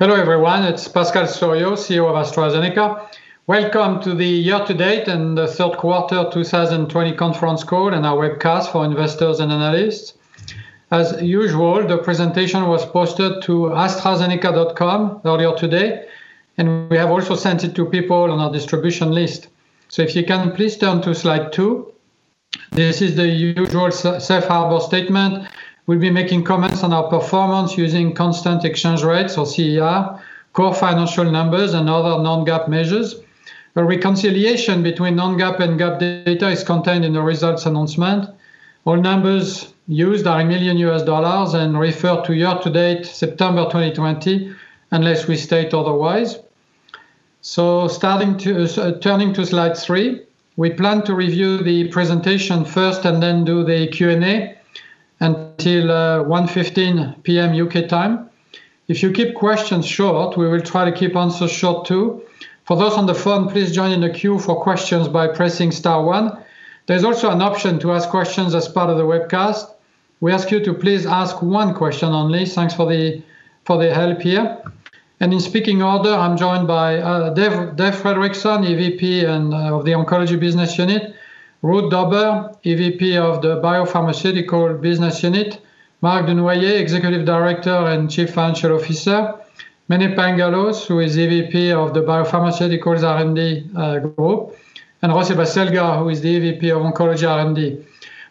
Hello, everyone. It's Pascal Soriot, CEO of AstraZeneca. Welcome to the year-to-date and the third quarter 2020 conference call and our webcast for investors and analysts. As usual, the presentation was posted to astrazeneca.com earlier today, and we have also sent it to people on our distribution list. If you can please turn to slide two. This is the usual safe harbor statement. We'll be making comments on our performance using constant exchange rates or CER, core financial numbers, and other non-GAAP measures. A reconciliation between non-GAAP and GAAP data is contained in the results announcement. All numbers used are in $ million and refer to year-to-date September 2020, unless we state otherwise. Turning to slide three, we plan to review the presentation first and then do the Q&A until 1:15 P.M. UK time. If you keep questions short, we will try to keep answers short, too. For those on the phone, please join in the queue for questions by pressing star one. There's also an option to ask questions as part of the webcast. We ask you to please ask one question only. Thanks for the help here. In speaking order, I'm joined by Dave Fredrickson, EVP of the Oncology Business Unit, Ruud Dobber, EVP of the BioPharmaceuticals Business Unit, Marc Dunoyer, Executive Director and Chief Financial Officer, Mene Pangalos, who is EVP of the BioPharmaceuticals R&D group, and José Baselga, who is the EVP of Oncology R&D.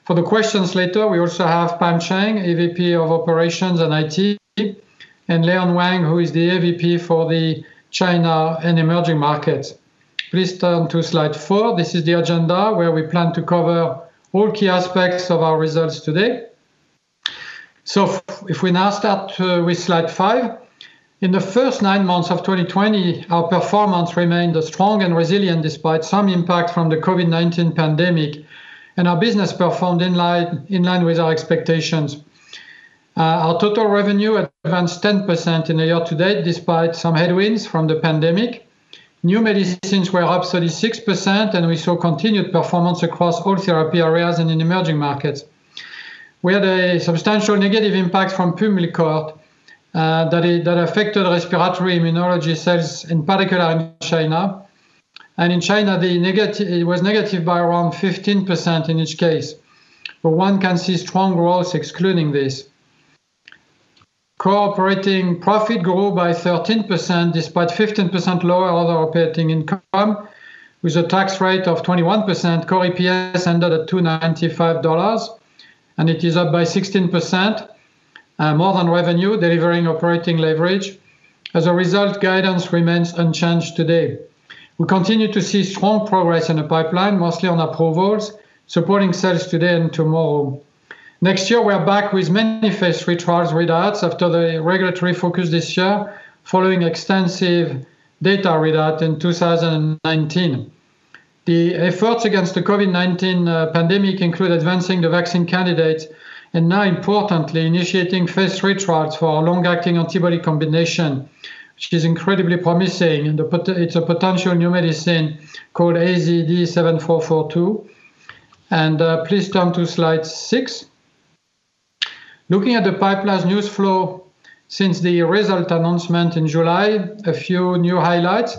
For the questions later, we also have Pam Cheng, EVP of Operations and IT, and Leon Wang, who is the EVP for the China and emerging markets. Please turn to slide four. This is the agenda where we plan to cover all key aspects of our results today. If we now start with slide five. In the first nine months of 2020, our performance remained strong and resilient despite some impact from the COVID-19 pandemic, and our business performed in line with our expectations. Our total revenue advanced 10% in the year to date, despite some headwinds from the pandemic. New medicines were up 36%, and we saw continued performance across all therapy areas and in emerging markets. We had a substantial negative impact from PULMICORT that affected respiratory immunology sales, in particular in China. In China, it was negative by around 15% in each case. One can see strong growth excluding this. Core operating profit grew by 13%, despite 15% lower other operating income. With a tax rate of 21%, core EPS ended at $2.95, and it is up by 16%, more than revenue, delivering operating leverage. As a result, guidance remains unchanged today. We continue to see strong progress in the pipeline, mostly on approvals, supporting sales today and tomorrow. Next year, we are back with many phase III trials readouts after the regulatory focus this year, following extensive data readout in 2019. The efforts against the COVID-19 pandemic include advancing the vaccine candidate and now importantly, initiating phase III trials for our long-acting antibody combination, which is incredibly promising. It's a potential new medicine called AZD7442. Please turn to slide six. Looking at the pipeline news flow since the result announcement in July, a few new highlights.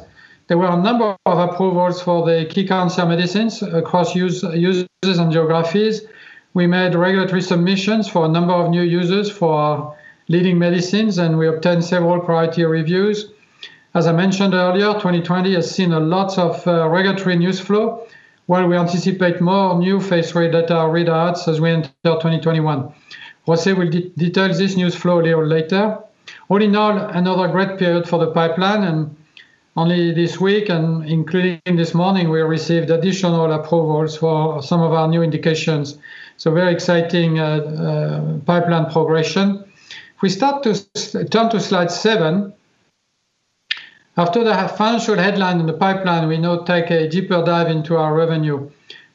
There were a number of approvals for the key cancer medicines across users and geographies. We made regulatory submissions for a number of new users for our leading medicines, and we obtained several priority reviews. As I mentioned earlier, 2020 has seen a lot of regulatory news flow, while we anticipate more new phase III data readouts as we enter 2021. José will detail this news flow a little later. All in all, another great period for the pipeline. Only this week and including this morning, we received additional approvals for some of our new indications. Very exciting pipeline progression. We turn to slide seven. After the financial headline in the pipeline, we now take a deeper dive into our revenue.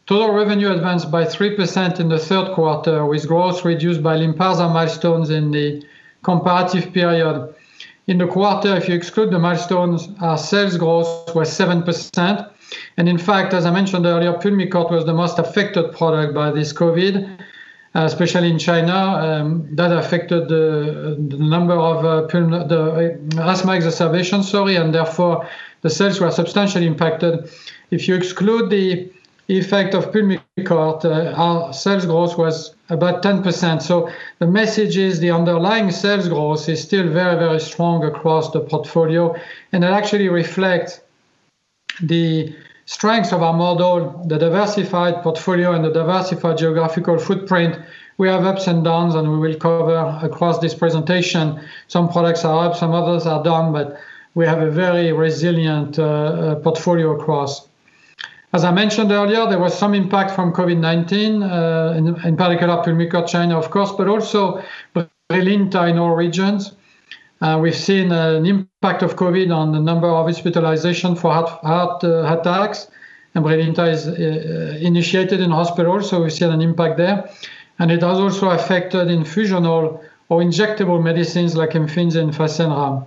Total revenue advanced by 3% in the third quarter, with growth reduced by LYNPARZA milestones in the comparative period. In the quarter, if you exclude the milestones, our sales growth was 7%. In fact, as I mentioned earlier, PULMICORT was the most affected product by this COVID, especially in China. That affected the number of asthma exacerbation, sorry, and therefore, the sales were substantially impacted. If you exclude the effect of PULMICORT, our sales growth was about 10%. The message is the underlying sales growth is still very, very strong across the portfolio, and it actually reflects the strength of our model, the diversified portfolio, and the diversified geographical footprint. We have ups and downs, and we will cover across this presentation. Some products are up, some others are down, but we have a very resilient portfolio across. As I mentioned earlier, there was some impact from COVID-19, in particular PULMICORT China, of course, but also BRILINTA in all regions. We've seen an impact of COVID on the number of hospitalizations for heart attacks, and BRILINTA is initiated in hospitals, so we see an impact there. It has also affected infusion or injectable medicines like IMFINZI and FASENRA.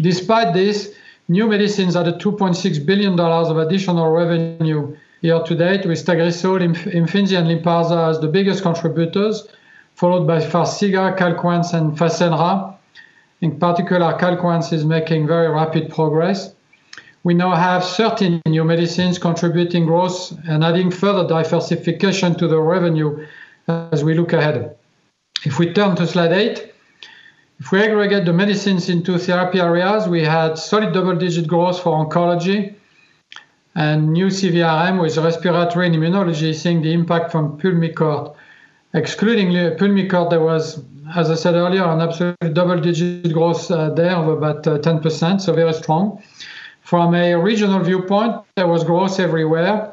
Despite this, new medicines are the $2.6 billion of additional revenue year to date, with Tagrisso, IMFINZI, and Lynparza as the biggest contributors, followed by Farxiga, Calquence, and FASENRA. In particular, Calquence is making very rapid progress. We now have 13 new medicines contributing growth and adding further diversification to the revenue as we look ahead. If we turn to slide eight, if we aggregate the medicines into therapy areas, we had solid double-digit growth for oncology and new CVRM, with respiratory and immunology seeing the impact from Pulmicort. Excluding Pulmicort, there was, as I said earlier, an absolute double-digit growth there of about 10%, so very strong. From a regional viewpoint, there was growth everywhere,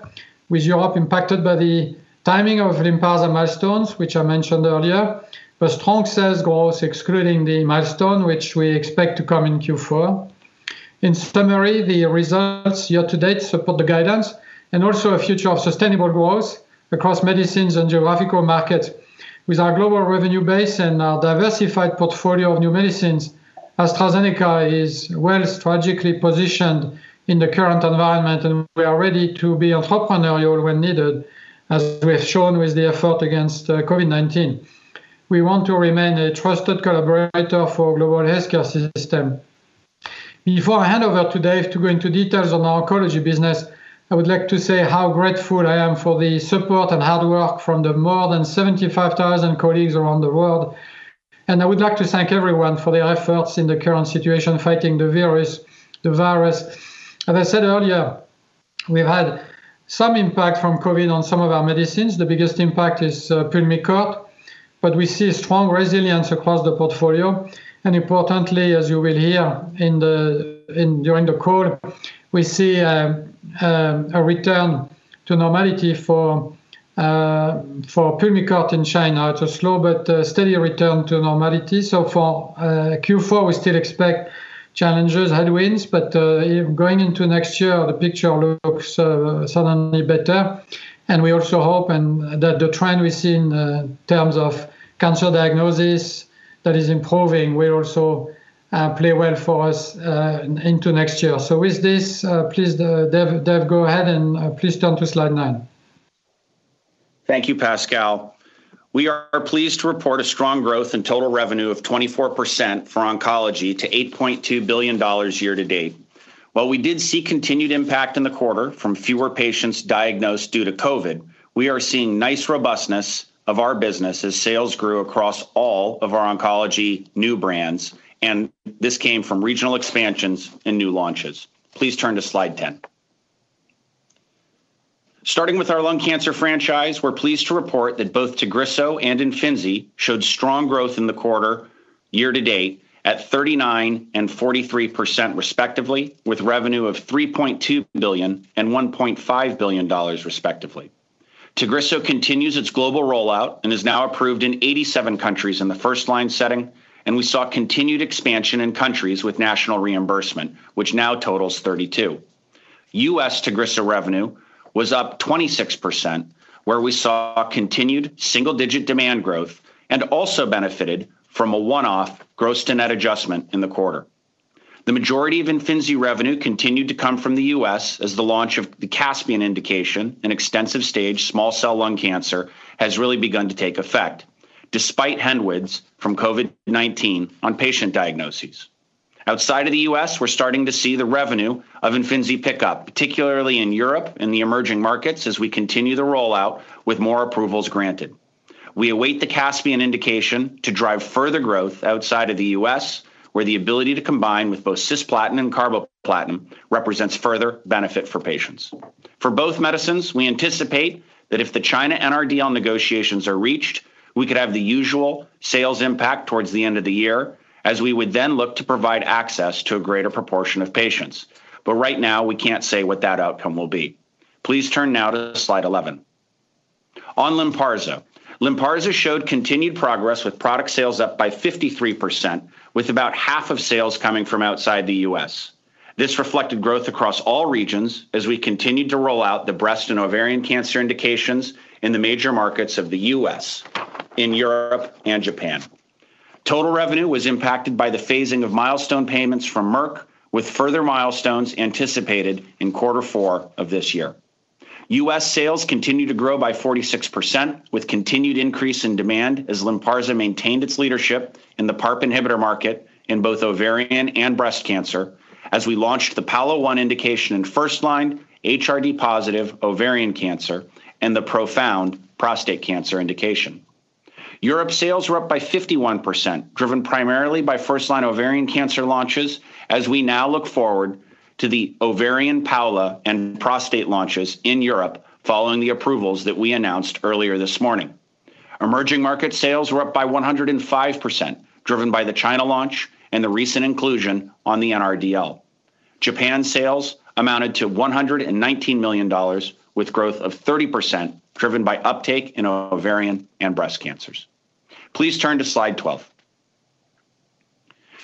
with Europe impacted by the timing of Lynparza milestones, which I mentioned earlier, but strong sales growth excluding the milestone, which we expect to come in Q4. In summary, the results year to date support the guidance and also a future of sustainable growth across medicines and geographical markets. With our global revenue base and our diversified portfolio of new medicines, AstraZeneca is well strategically positioned in the current environment, and we are ready to be entrepreneurial when needed, as we have shown with the effort against COVID-19. We want to remain a trusted collaborator for global healthcare system. Before I hand over today to go into details on our oncology business, I would like to say how grateful I am for the support and hard work from the more than 75,000 colleagues around the world, and I would like to thank everyone for their efforts in the current situation, fighting the virus. As I said earlier, we've had some impact from COVID on some of our medicines. The biggest impact is PULMICORT, but we see strong resilience across the portfolio and importantly, as you will hear during the call, we see a return to normality for PULMICORT in China. It's a slow but steady return to normality. For Q4, we still expect challenges, headwinds, but going into next year, the picture looks suddenly better. We also hope, and the trend we see in terms of cancer diagnosis that is improving, will also play well for us into next year. With this, please, Dave, go ahead and please turn to slide nine. Thank you, Pascal. We are pleased to report a strong growth in total revenue of 24% for oncology to $8.2 billion year to date. While we did see continued impact in the quarter from fewer patients diagnosed due to COVID, we are seeing nice robustness of our business as sales grew across all of our oncology new brands. This came from regional expansions and new launches. Please turn to slide 10. Starting with our lung cancer franchise, we are pleased to report that both TAGRISSO and IMFINZI showed strong growth in the quarter year to date at 39% and 43% respectively, with revenue of $3.2 billion and $1.5 billion respectively. TAGRISSO continues its global rollout and is now approved in 87 countries in the first-line setting. We saw continued expansion in countries with national reimbursement, which now totals 32. U.S. TAGRISSO revenue was up 22%, where we saw continued single-digit demand growth and also benefited from a one-off gross to net adjustment in the quarter. The majority of IMFINZI revenue continued to come from the U.S. as the launch of the CASPIAN indication in extensive stage small cell lung cancer has really begun to take effect, despite headwinds from COVID-19 on patient diagnoses. Outside of the U.S., we're starting to see the revenue of IMFINZI pick up, particularly in Europe and the emerging markets, as we continue the rollout with more approvals granted. We await the CASPIAN indication to drive further growth outside of the U.S., where the ability to combine with both cisplatin and carboplatin represents further benefit for patients. For both medicines, we anticipate that if the China NRDL negotiations are reached, we could have the usual sales impact towards the end of the year, as we would then look to provide access to a greater proportion of patients. Right now, we can't say what that outcome will be. Please turn now to slide 11. On Lynparza. Lynparza showed continued progress with product sales up by 53%, with about half of sales coming from outside the U.S. This reflected growth across all regions as we continued to roll out the breast and ovarian cancer indications in the major markets of the U.S., in Europe, and Japan. Total revenue was impacted by the phasing of milestone payments from Merck, with further milestones anticipated in quarter four of this year. U.S. sales continued to grow by 46%, with continued increase in demand as LYNPARZA maintained its leadership in the PARP inhibitor market in both ovarian and breast cancer, as we launched the PAOLA-1 indication in first-line HRD positive ovarian cancer and the PROfound prostate cancer indication. Europe sales were up by 51%, driven primarily by first-line ovarian cancer launches, as we now look forward to the ovarian PAOLA and prostate launches in Europe following the approvals that we announced earlier this morning. Emerging market sales were up by 105%, driven by the China launch and the recent inclusion on the NRDL. Japan sales amounted to $119 million, with growth of 30% driven by uptake in ovarian and breast cancers. Please turn to slide 12.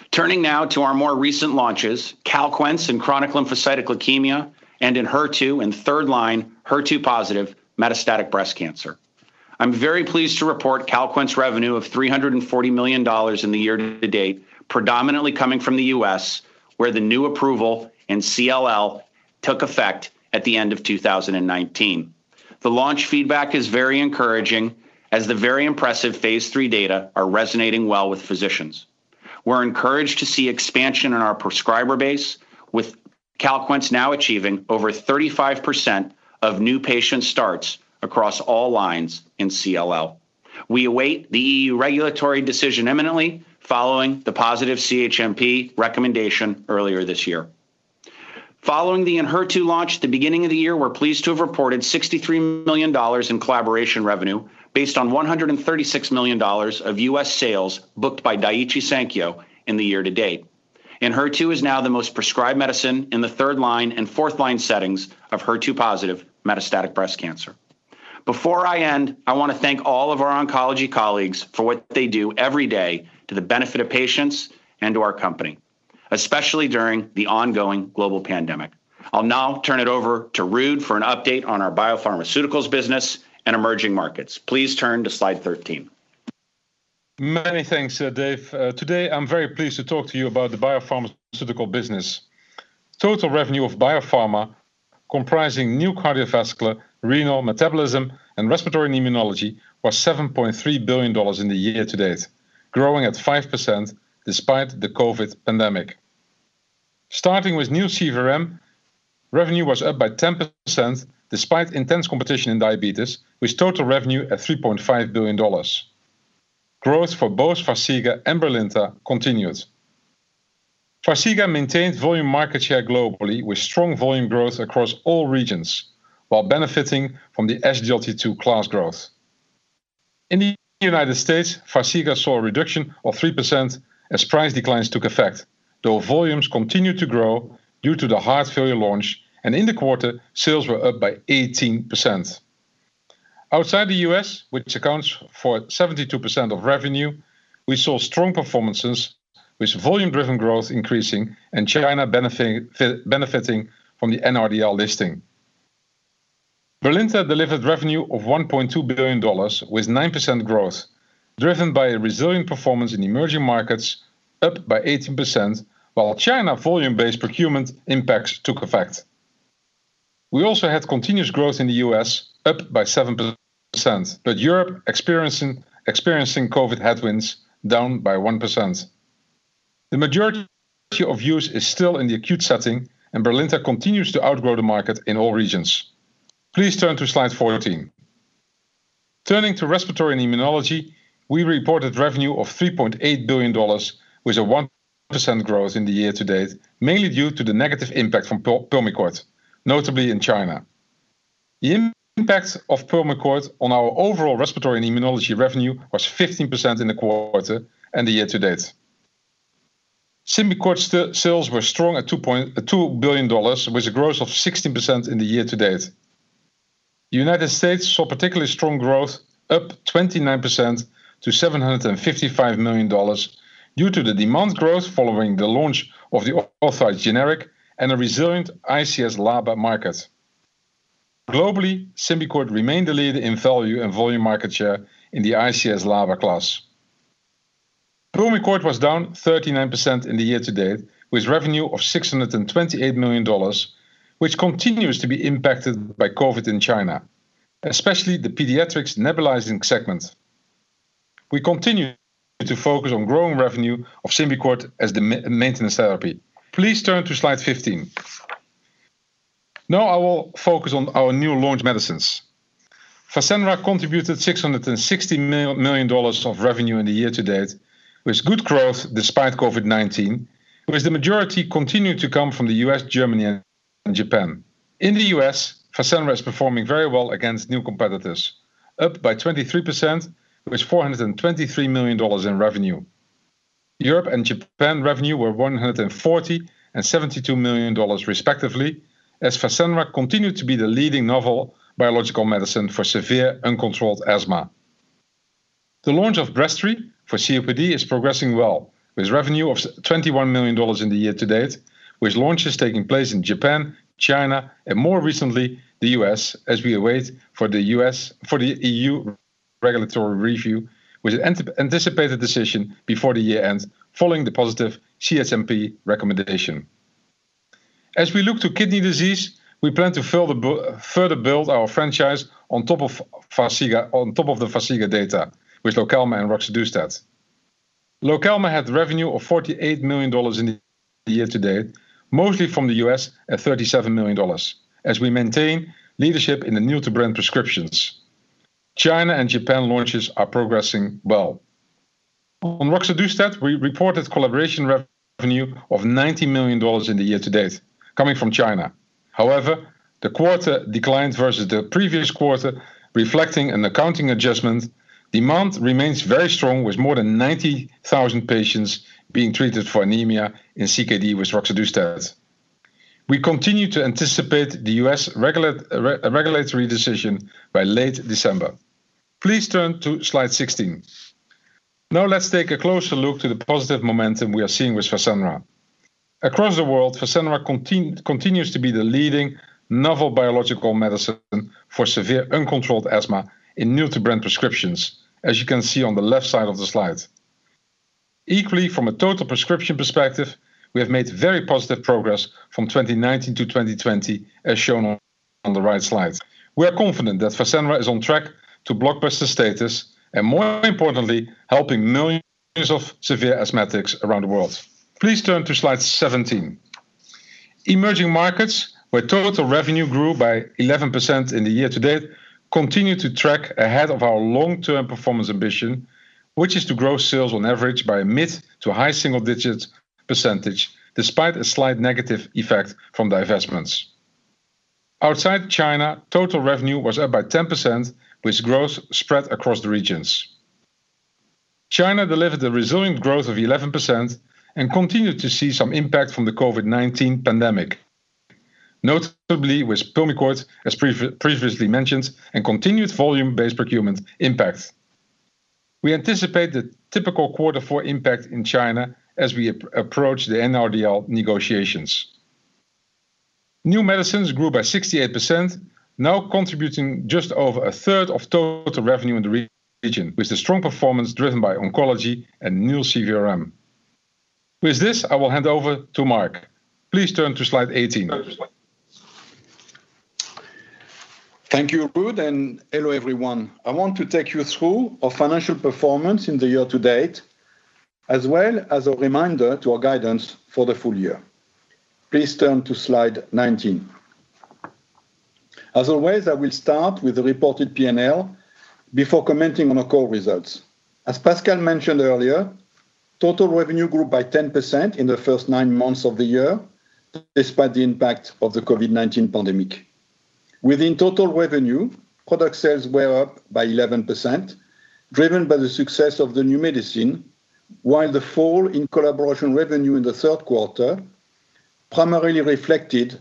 Turning now to our more recent launches, CALQUENCE in chronic lymphocytic leukemia and ENHERTU in third-line HER2-positive metastatic breast cancer. I am very pleased to report CALQUENCE revenue of $340 million in the year to date, predominantly coming from the U.S., where the new approval in CLL took effect at the end of 2019. The launch feedback is very encouraging, as the very impressive phase III data are resonating well with physicians. We are encouraged to see expansion in our prescriber base, with CALQUENCE now achieving over 35% of new patient starts across all lines in CLL. We await the EU regulatory decision imminently following the positive CHMP recommendation earlier this year. Following the ENHERTU launch at the beginning of the year, we are pleased to have reported $63 million in collaboration revenue based on $136 million of U.S. sales booked by Daiichi Sankyo in the year to date. ENHERTU is now the most prescribed medicine in the third-line and fourth-line settings of HER2-positive metastatic breast cancer. Before I end, I want to thank all of our oncology colleagues for what they do every day to the benefit of patients and to our company, especially during the ongoing global pandemic. I'll now turn it over to Ruud for an update on our BioPharmaceuticals business and emerging markets. Please turn to slide 13. Many thanks, Dave. Today, I am very pleased to talk to you about the BioPharmaceuticals business. Total revenue of BioPharmaceuticals, comprising new cardiovascular, renal, metabolism, and respiratory and immunology, was $7.3 billion in the year to date, growing at 5% despite the COVID pandemic. Starting with new CVRM, revenue was up by 10% despite intense competition in diabetes, with total revenue at $3.5 billion. Growth for both Farxiga and BRILINTA continued. Farxiga maintained volume market share globally with strong volume growth across all regions while benefiting from the SGLT2 class growth. In the U.S., Farxiga saw a reduction of 3% as price declines took effect, though volumes continued to grow due to the heart failure launch, and in the quarter, sales were up by 18%. Outside the U.S., which accounts for 72% of revenue, we saw strong performances with volume-driven growth increasing and China benefiting from the NRDL listing. BRILINTA delivered revenue of $1.2 billion with 9% growth driven by a resilient performance in emerging markets up by 18%, while China volume-based procurement impacts took effect. We also had continuous growth in the U.S. up by 7%, but Europe experiencing COVID headwinds down by 1%. The majority of use is still in the acute setting, and BRILINTA continues to outgrow the market in all regions. Please turn to slide 14. Turning to respiratory and immunology, we reported revenue of $3.8 billion with a 1% growth in the year to date, mainly due to the negative impact from Pulmicort, notably in China. The impact of Pulmicort on our overall respiratory and immunology revenue was 15% in the quarter and the year to date. Symbicort sales were strong at $2 billion, with a growth of 16% in the year to date. U.S. saw particularly strong growth, up 29% to $755 million due to the demand growth following the launch of the authorized generic and a resilient ICS/LABA market. Globally, SYMBICORT remained the leader in value and volume market share in the ICS/LABA class. PULMICORT was down 39% in the year to date with revenue of $628 million, which continues to be impacted by COVID-19 in China, especially the pediatrics nebulizing segment. We continue to focus on growing revenue of SYMBICORT as the maintenance therapy. Please turn to slide 15. Now I will focus on our new launch medicines. FASENRA contributed $660 million of revenue in the year to date, with good growth despite COVID-19, with the majority continuing to come from the U.S., Germany, and Japan. In the U.S., FASENRA is performing very well against new competitors, up by 23%, with $423 million in revenue. Europe and Japan revenue were $140 million and $72 million respectively, as FASENRA continued to be the leading novel biological medicine for severe uncontrolled asthma. The launch of BREZTRI for COPD is progressing well, with revenue of $21 million in the year to date, with launches taking place in Japan, China, and more recently, the U.S. as we await for the EU regulatory review with an anticipated decision before the year ends following the positive CHMP recommendation. As we look to kidney disease, we plan to further build our franchise on top of the Farxiga data with LOKELMA and roxadustat. LOKELMA had revenue of $48 million in the year to date, mostly from the U.S. at $37 million as we maintain leadership in the new-to-brand prescriptions. China and Japan launches are progressing well. On roxadustat, we reported collaboration revenue of $90 million in the year to date coming from China. However, the quarter declined versus the previous quarter reflecting an accounting adjustment. Demand remains very strong with more than 90,000 patients being treated for anemia and CKD with roxadustat. We continue to anticipate the U.S. regulatory decision by late December. Please turn to slide 16. Now let's take a closer look to the positive momentum we are seeing with FASENRA. Across the world, FASENRA continues to be the leading novel biological medicine for severe uncontrolled asthma in new-to-brand prescriptions, as you can see on the left side of the slide. Equally, from a total prescription perspective, we have made very positive progress from 2019 to 2020, as shown on the right slide. We are confident that FASENRA is on track to blockbuster status and, more importantly, helping millions of severe asthmatics around the world. Please turn to Slide 17. Emerging markets, where total revenue grew by 11% in the year to date, continue to track ahead of our long-term performance ambition, which is to grow sales on average by a mid- to high single-digit percentage, despite a slight negative effect from divestments. Outside China, total revenue was up by 10%, with growth spread across the regions. China delivered a resilient growth of 11% and continued to see some impact from the COVID-19 pandemic, notably with PULMICORT, as previously mentioned, and continued volume-based procurement impact. We anticipate the typical quarter impact in China as we approach the NRDL negotiations. New medicines grew by 68%, now contributing just over a third of total revenue in the region, with the strong performance driven by oncology and new CVRM. With this, I will hand over to Marc. Please turn to Slide 18. Thank you, Ruud, and hello, everyone. I want to take you through our financial performance in the year to date, as well as a reminder to our guidance for the full year. Please turn to Slide 19. As always, I will start with the reported P&L before commenting on our core results. As Pascal mentioned earlier, total revenue grew by 10% in the first nine months of the year, despite the impact of the COVID-19 pandemic. Within total revenue, product sales were up by 11%, driven by the success of the new medicine, while the fall in collaboration revenue in the third quarter primarily reflected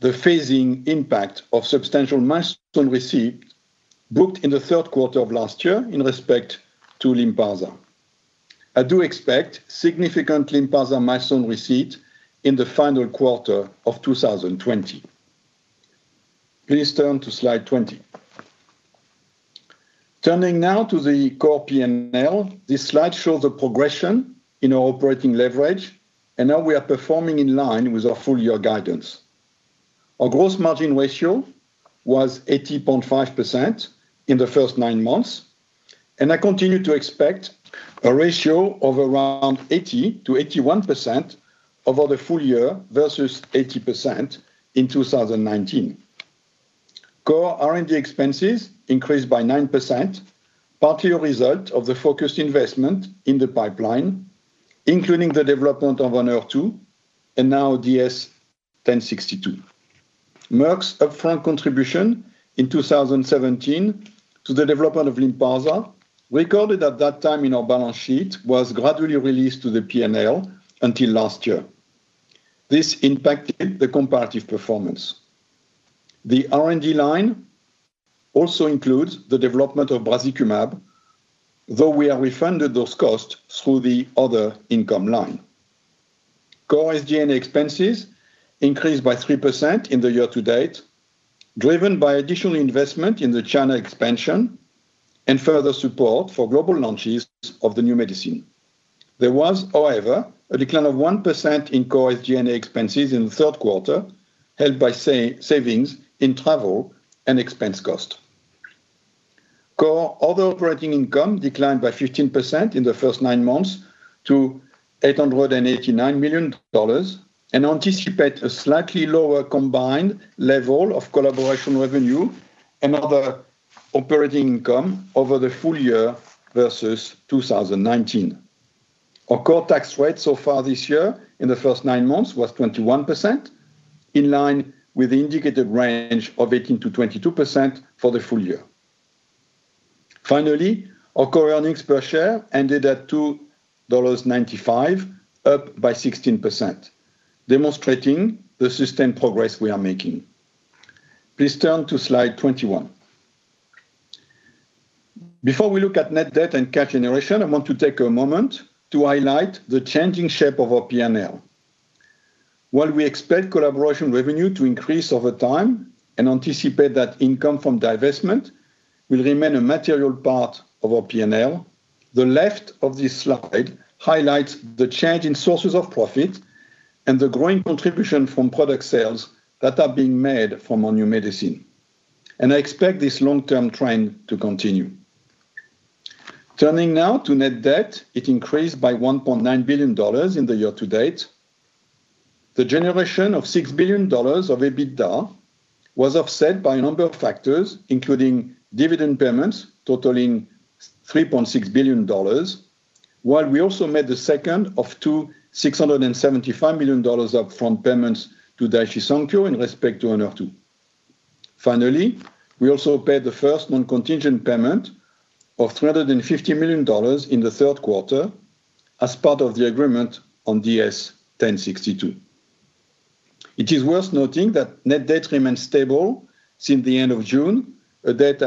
the phasing impact of substantial milestone receipt booked in the third quarter of last year in respect to LYNPARZA. I do expect significant LYNPARZA milestone receipt in the final quarter of 2020. Please turn to Slide 20. Turning now to the core P&L. This slide shows the progression in our operating leverage, and now we are performing in line with our full-year guidance. Our gross margin ratio was 80.5% in the first nine months, and I continue to expect a ratio of around 80%-81% over the full year versus 80% in 2019. Core R&D expenses increased by 9%, partly a result of the focused investment in the pipeline, including the development of ENHERTU and now DS-1062. Merck's upfront contribution in 2017 to the development of LYNPARZA, recorded at that time in our balance sheet, was gradually released to the P&L until last year. This impacted the comparative performance. The R&D line also includes the development of brazikumab, though we have refunded those costs through the other income line. Core SG&A expenses increased by 3% in the year to date, driven by additional investment in the China expansion and further support for global launches of the new medicine. There was, however, a decline of 1% in core SG&A expenses in the third quarter, helped by savings in travel and expense cost. Core other operating income declined by 15% in the first nine months to $889 million, and anticipate a slightly lower combined level of collaboration revenue and other operating income over the full year versus 2019. Our core tax rate so far this year in the first nine months was 21%, in line with the indicated range of 18%-22% for the full year. Finally, our core earnings per share ended at $2.95, up by 16%, demonstrating the sustained progress we are making. Please turn to Slide 21. Before we look at net debt and cash generation, I want to take a moment to highlight the changing shape of our P&L. While we expect collaboration revenue to increase over time and anticipate that income from divestment will remain a material part of our P&L, the left of this slide highlights the change in sources of profit and the growing contribution from product sales that are being made from our new medicine. I expect this long-term trend to continue. Turning now to net debt, it increased by $1.9 billion in the year to date. The generation of $6 billion of EBITDA was offset by a number of factors, including dividend payments totaling $3.6 billion, while we also made the second of two $675 million upfront payments to Daiichi Sankyo in respect to ENHERTU. We also paid the first non-contingent payment of $350 million in the third quarter as part of the agreement on DS-1062. It is worth noting that net debt remains stable since the end of June, a date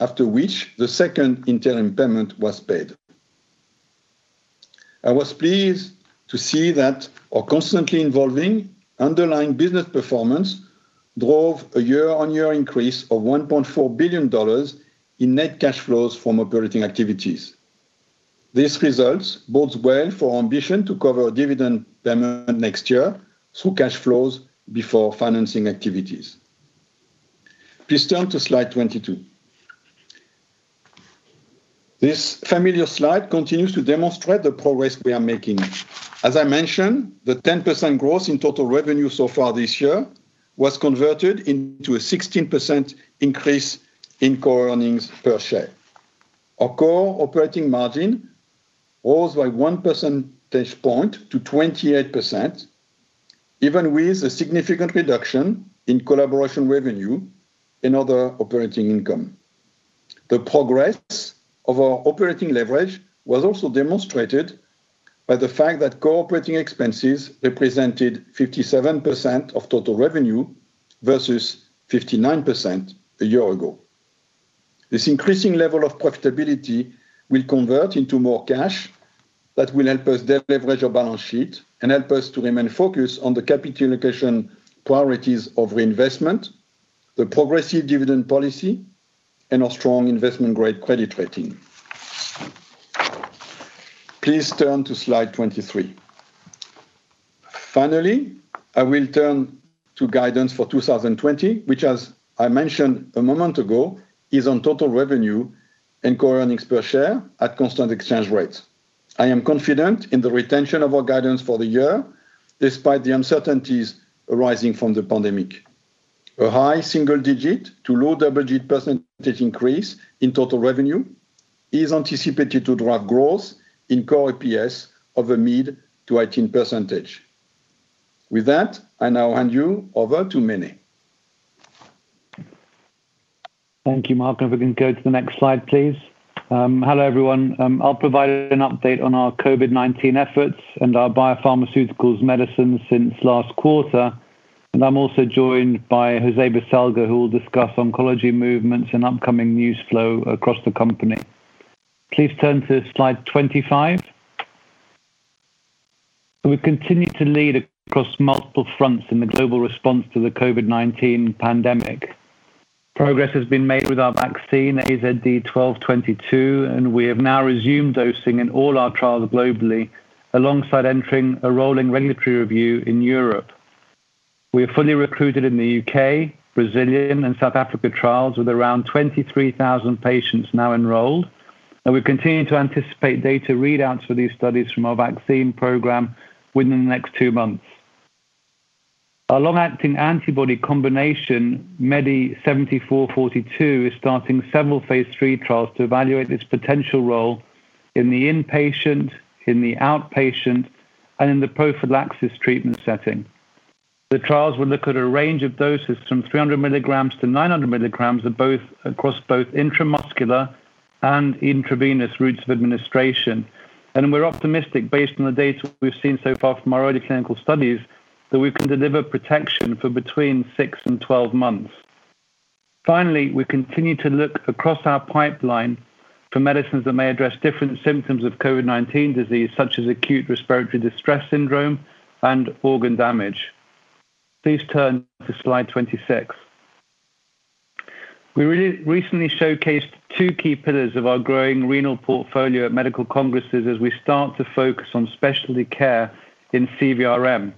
after which the second interim payment was paid. I was pleased to see that our constantly evolving underlying business performance drove a year-on-year increase of $1.4 billion in net cash flows from operating activities. These results bode well for our ambition to cover dividend payment next year through cash flows before financing activities. Please turn to slide 22. This familiar slide continues to demonstrate the progress we are making. As I mentioned, the 10% growth in total revenue so far this year was converted into a 16% increase in core earnings per share. Our core operating margin rose by one percentage point to 28%, even with a significant reduction in collaboration revenue in other operating income. The progress of our operating leverage was also demonstrated by the fact that core operating expenses represented 57% of total revenue versus 59% a year ago. This increasing level of profitability will convert into more cash that will help us de-leverage our balance sheet and help us to remain focused on the capital allocation priorities of reinvestment, the progressive dividend policy, and our strong investment-grade credit rating. Please turn to slide 23. I will turn to guidance for 2020, which as I mentioned a moment ago, is on total revenue and core earnings per share at constant exchange rates. I am confident in the retention of our guidance for the year, despite the uncertainties arising from the pandemic. A high single-digit to low-double-digit % increase in total revenue is anticipated to drive growth in core EPS of a mid to high teen %. With that, I now hand you over to Mene. Thank you, Marc. If we can go to the next slide, please. Hello, everyone. I'll provide an update on our COVID-19 efforts and our biopharmaceuticals medicines since last quarter, and I'm also joined by José Baselga, who will discuss oncology movements and upcoming news flow across the company. Please turn to slide 25. We've continued to lead across multiple fronts in the global response to the COVID-19 pandemic. Progress has been made with our vaccine, AZD1222, and we have now resumed dosing in all our trials globally, alongside entering a rolling regulatory review in Europe. We are fully recruited in the U.K., Brazilian, and South Africa trials with around 23,000 patients now enrolled, and we continue to anticipate data readouts for these studies from our vaccine program within the next two months. Our long-acting antibody combination, AZD7442, is starting several phase III trials to evaluate its potential role in the inpatient, in the outpatient, and in the prophylaxis treatment setting. The trials will look at a range of doses from 300 mg to 900 mg across both intramuscular and intravenous routes of administration. We're optimistic based on the data we've seen so far from our early clinical studies, that we can deliver protection for between 6 and 12 months. Finally, we continue to look across our pipeline for medicines that may address different symptoms of COVID-19 disease, such as acute respiratory distress syndrome and organ damage. Please turn to slide 26. We recently showcased two key pillars of our growing renal portfolio at medical congresses as we start to focus on specialty care in CVRM.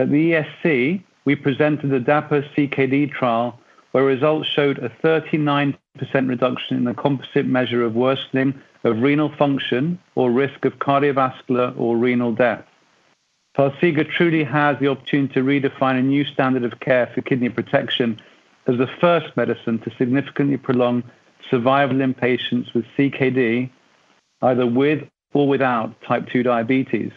At the ESC, we presented the DAPA-CKD trial, where results showed a 39% reduction in the composite measure of worsening of renal function or risk of cardiovascular or renal death. Farxiga truly has the opportunity to redefine a new standard of care for kidney protection as the first medicine to significantly prolong survival in patients with CKD, either with or without type 2 diabetes.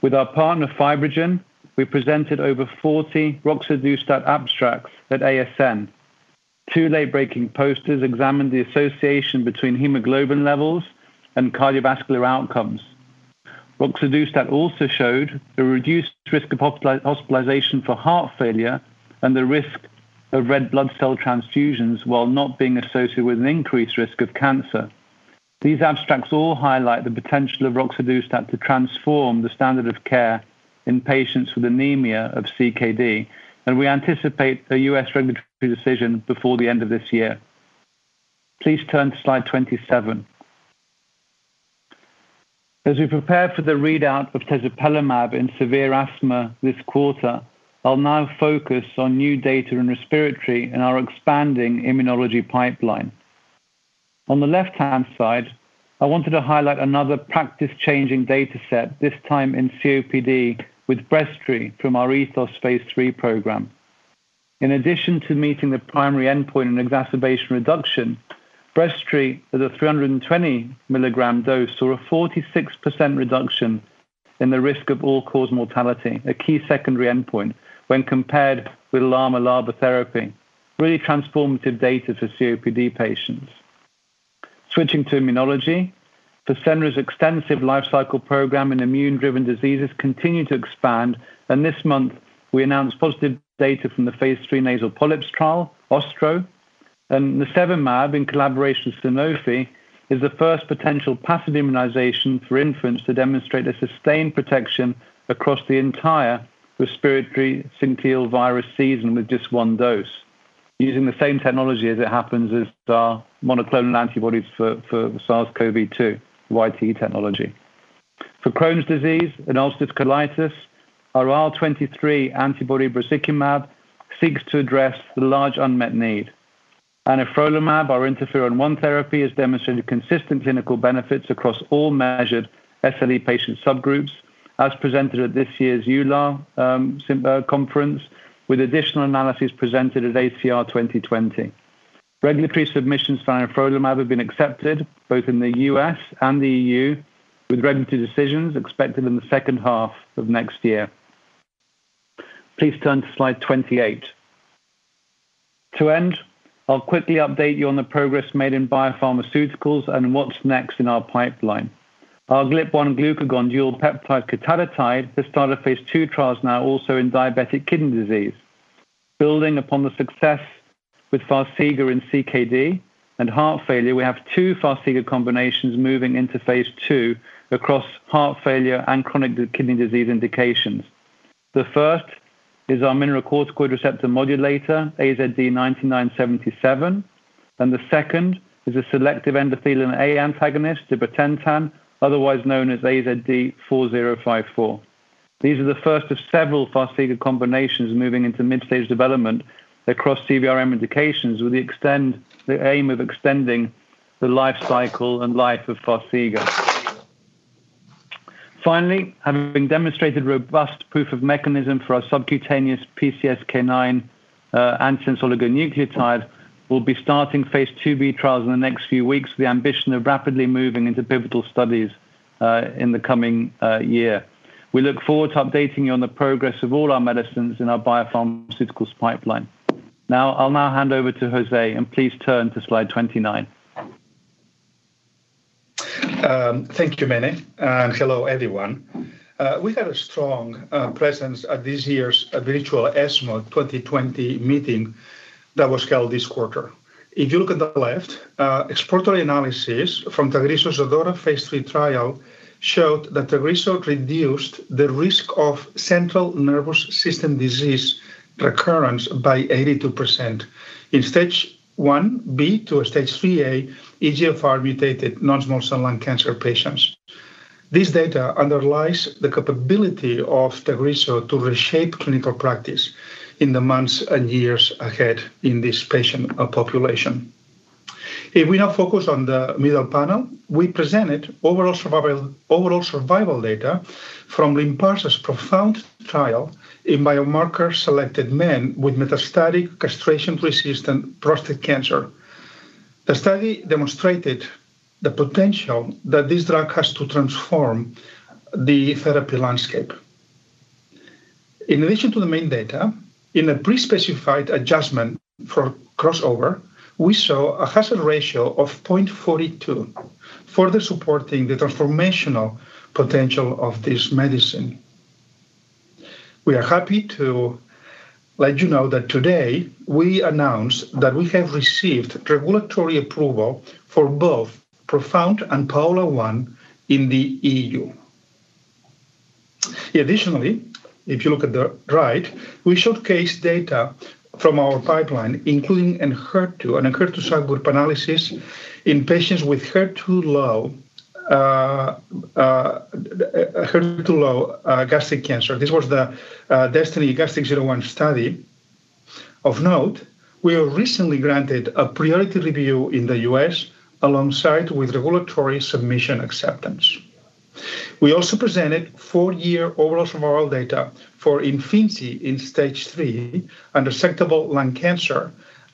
With our partner, FibroGen, we presented over 40 roxadustat abstracts at ASN. Two late-breaking posters examined the association between hemoglobin levels and cardiovascular outcomes. Roxadustat also showed a reduced risk of hospitalization for heart failure and the risk of red blood cell transfusions while not being associated with an increased risk of cancer. These abstracts all highlight the potential of roxadustat to transform the standard of care in patients with anemia of CKD. We anticipate a U.S. regulatory decision before the end of this year. Please turn to slide 27. As we prepare for the readout of tezepelumab in severe asthma this quarter, I'll now focus on new data in respiratory and our expanding immunology pipeline. On the left-hand side, I wanted to highlight another practice-changing data set, this time in COPD with BREZTRI III from our ETHOS phase III program. In addition to meeting the primary endpoint in exacerbation reduction, BREZTRI III at a 320-milligram dose saw a 46% reduction in the risk of all-cause mortality, a key secondary endpoint when compared with glycopyrrolate/formoterol fumarate therapy. Really transformative data for COPD patients. Switching to immunology. FASENRA's extensive life cycle program in immune-driven diseases continue to expand, this month we announced positive data from the phase III nasal polyps trial, OSTRO. Nirsevimab, in collaboration with Sanofi, is the first potential passive immunization for infants to demonstrate a sustained protection across the entire respiratory syncytial virus season with just one dose, using the same technology, as it happens, as our monoclonal antibodies for SARS-CoV-2, YTE technology. For Crohn's disease and ulcerative colitis, our IL-23 antibody, brazikumab, seeks to address the large unmet need. Anifrolumab, our interferon one therapy, has demonstrated consistent clinical benefits across all measured SLE patient subgroups, as presented at this year's EULAR conference, with additional analysis presented at ACR 2020. Regulatory submissions for anifrolumab have been accepted both in the U.S. and the E.U., with regulatory decisions expected in the second half of next year. Please turn to slide 28. To end, I'll quickly update you on the progress made in biopharmaceuticals and what's next in our pipeline. Our GLP-1 glucagon dual peptide, cotadutide, has started phase II trials now also in diabetic kidney disease. Building upon the success with Farxiga in CKD and heart failure, we have two Farxiga combinations moving into phase II across heart failure and chronic kidney disease indications. The first is our mineralocorticoid receptor modulator, AZD9977, and the second is a selective endothelin A antagonist, zibotentan, otherwise known as AZD4054. These are the first of several Farxiga combinations moving into mid-stage development across CVRM indications with the aim of extending the life cycle and life of Farxiga. Having demonstrated robust proof of mechanism for our subcutaneous PCSK9 antisense oligonucleotide, we'll be starting phase II-B trials in the next few weeks with the ambition of rapidly moving into pivotal studies in the coming year. We look forward to updating you on the progress of all our medicines in our biopharmaceuticals pipeline. Now, I'll now hand over to José, and please turn to slide 29. Thank you, Mene. Hello, everyone. We had a strong presence at this year's virtual ESMO 2020 meeting that was held this quarter. If you look at the left, exploratory analysis from TAGRISSO ADAURA phase III trial showed that TAGRISSO reduced the risk of central nervous system disease recurrence by 82% in stage 1B to a stage 3A eGFR-mutated non-small cell lung cancer patients. This data underlies the capability of TAGRISSO to reshape clinical practice in the months and years ahead in this patient population. If we now focus on the middle panel, we presented overall survival data from LYNPARZA's PROfound trial in biomarker-selected men with metastatic castration-resistant prostate cancer. The study demonstrated the potential that this drug has to transform the therapy landscape. In addition to the main data, in a pre-specified adjustment for crossover, we saw a hazard ratio of 0.42, further supporting the transformational potential of this medicine. We are happy to let you know that today we announce that we have received regulatory approval for both PROfound and PAOLA-1 in the EU. Additionally, if you look at the right, we showcased data from our pipeline, including ENHERTU, an ENHERTU subgroup analysis in patients with HER2-low gastric cancer. This was the DESTINY-Gastric01 study. Of note, we were recently granted a priority review in the U.S. alongside with regulatory submission acceptance. We also presented four-year overall survival data for IMFINZI in stage III unresectable lung cancer,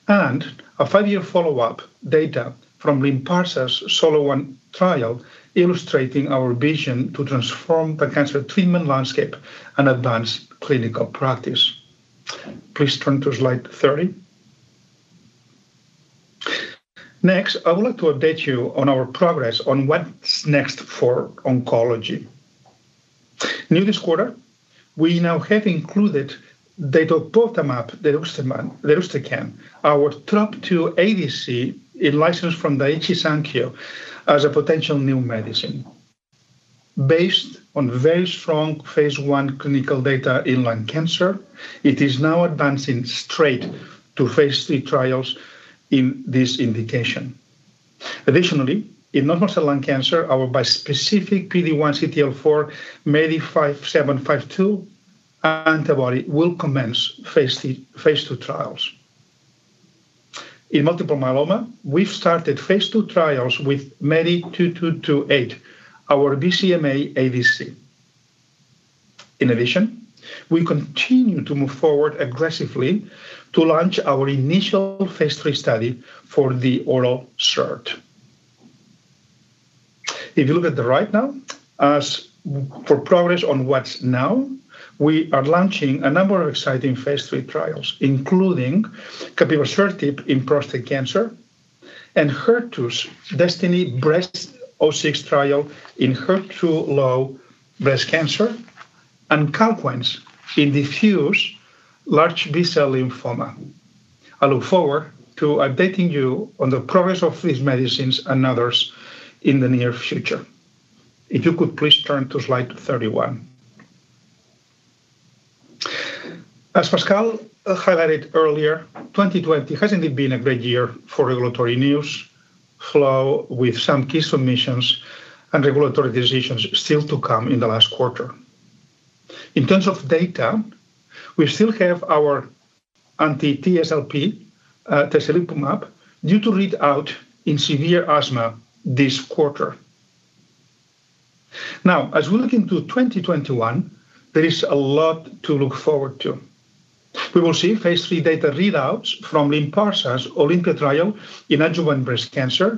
and a five-year follow-up data from LYNPARZA's SOLO-1 trial, illustrating our vision to transform the cancer treatment landscape and advance clinical practice. Please turn to slide 30. Next, I would like to update you on our progress on what's next for oncology. New this quarter, we now have included datopotamab deruxtecan, our TROP2 ADC licensed from Daiichi Sankyo as a potential new medicine. Based on very strong phase I clinical data in lung cancer, it is now advancing straight to phase III trials in this indication. In non-small cell lung cancer, our bispecific PD-1/CTLA-4 MEDI5752 antibody will commence phase II trials. In multiple myeloma, we've started phase II trials with MEDI2228, our BCMA ADC. We continue to move forward aggressively to launch our initial phase III study for the oral SERD. If you look at the right now, as for progress on what's now, we are launching a number of exciting phase III trials, including capivasertib in prostate cancer, ENHERTU's DESTINY-Breast06 trial in HER2-low breast cancer, and CALQUENCE in diffuse large B-cell lymphoma. I look forward to updating you on the progress of these medicines and others in the near future. If you could please turn to slide 31. As Pascal highlighted earlier, 2020 hasn't been a great year for regulatory news flow, with some key submissions and regulatory decisions still to come in the last quarter. In terms of data, we still have our anti-TSLP, tezepelumab, due to read out in severe asthma this quarter. Now, as we look into 2021, there is a lot to look forward to. We will see phase III data readouts from LYNPARZA's OlympiA trial in adjuvant breast cancer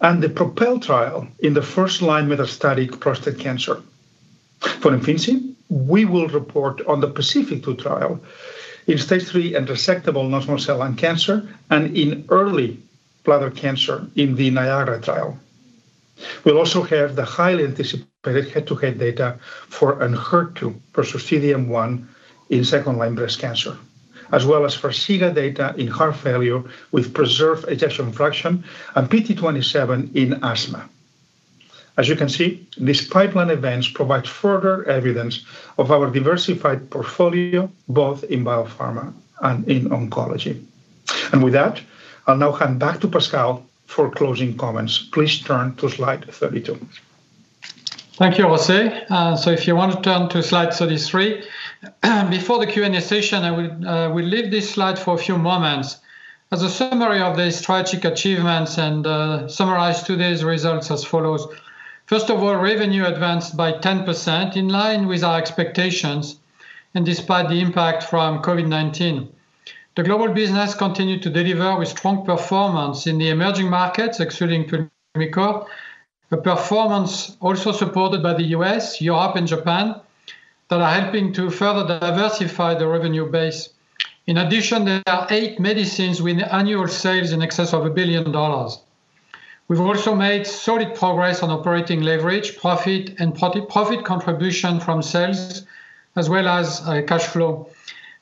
and the PROPEL trial in the first-line metastatic prostate cancer. For IMFINZI, we will report on the PACIFIC-2 trial in stage 3 unresectable non-small cell lung cancer and in early bladder cancer in the NIAGARA trial. We'll also have the highly anticipated head-to-head data for ENHERTU versus T-DM1 in second-line breast cancer, as well as Farxiga data in heart failure with preserved ejection fraction and PT027 in asthma. As you can see, these pipeline events provide further evidence of our diversified portfolio, both in biopharma and in oncology. With that, I'll now hand back to Pascal for closing comments. Please turn to slide 32. Thank you, José. If you want to turn to slide 33. Before the Q&A session, I will leave this slide for a few moments. As a summary of the strategic achievements and summarize today's results as follows. First of all, revenue advanced by 10%, in line with our expectations and despite the impact from COVID-19. The global business continued to deliver with strong performance in the emerging markets, excluding PULMICORT. A performance also supported by the U.S., Europe, and Japan that are helping to further diversify the revenue base. In addition, there are eight medicines with annual sales in excess of $1 billion. We've also made solid progress on operating leverage, profit, and profit contribution from sales, as well as cash flow.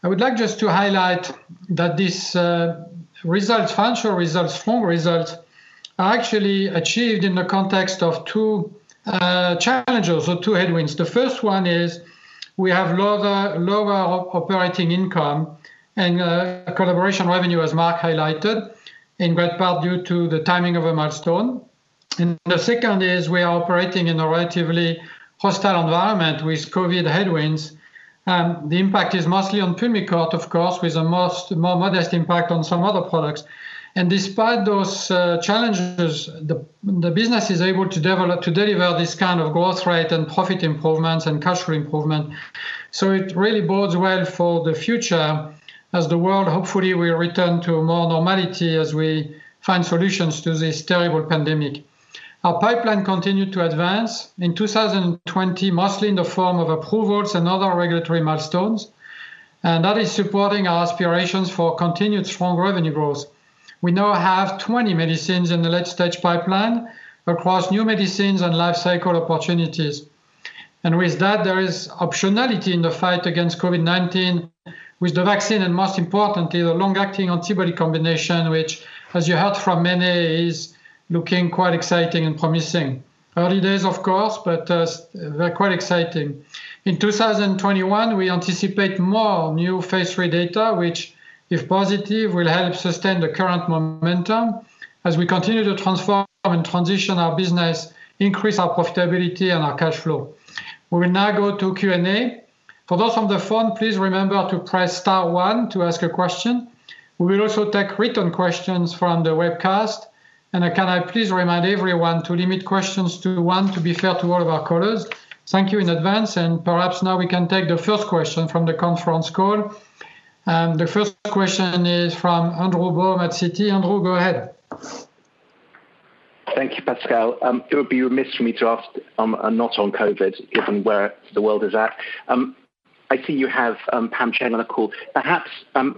I would like just to highlight that these results, financial results, strong results, are actually achieved in the context of two challenges or two headwinds. The first one is we have lower operating income and collaboration revenue, as Marc highlighted, in great part due to the timing of a milestone. The second is we are operating in a relatively hostile environment with COVID headwinds. The impact is mostly on PULMICORT, of course, with the most modest impact on some other products. Despite those challenges, the business is able to deliver this kind of growth rate and profit improvements and cash flow improvement. It really bodes well for the future as the world hopefully will return to more normality as we find solutions to this terrible pandemic. Our pipeline continued to advance in 2020, mostly in the form of approvals and other regulatory milestones, and that is supporting our aspirations for continued strong revenue growth. We now have 20 medicines in the late-stage pipeline across new medicines and life cycle opportunities. With that, there is optionality in the fight against COVID-19 with the vaccine and, most importantly, the long-acting antibody combination, which, as you heard from Mene, looking quite exciting and promising. Early days, of course, but they're quite exciting. In 2021, we anticipate more new phase III data, which, if positive, will help sustain the current momentum as we continue to transform and transition our business, increase our profitability and our cash flow. We will now go to Q&A. For those on the phone, please remember to press star one to ask a question. We will also take written questions from the webcast. Can I please remind everyone to limit questions to one to be fair to all of our callers? Thank you in advance, and perhaps now we can take the first question from the conference call. The first question is from Andrew Baum at Citi. Andrew, go ahead. Thank you, Pascal. It would be remiss for me to ask not on COVID, given where the world is at. I see you have Pam Cheng on the call. Perhaps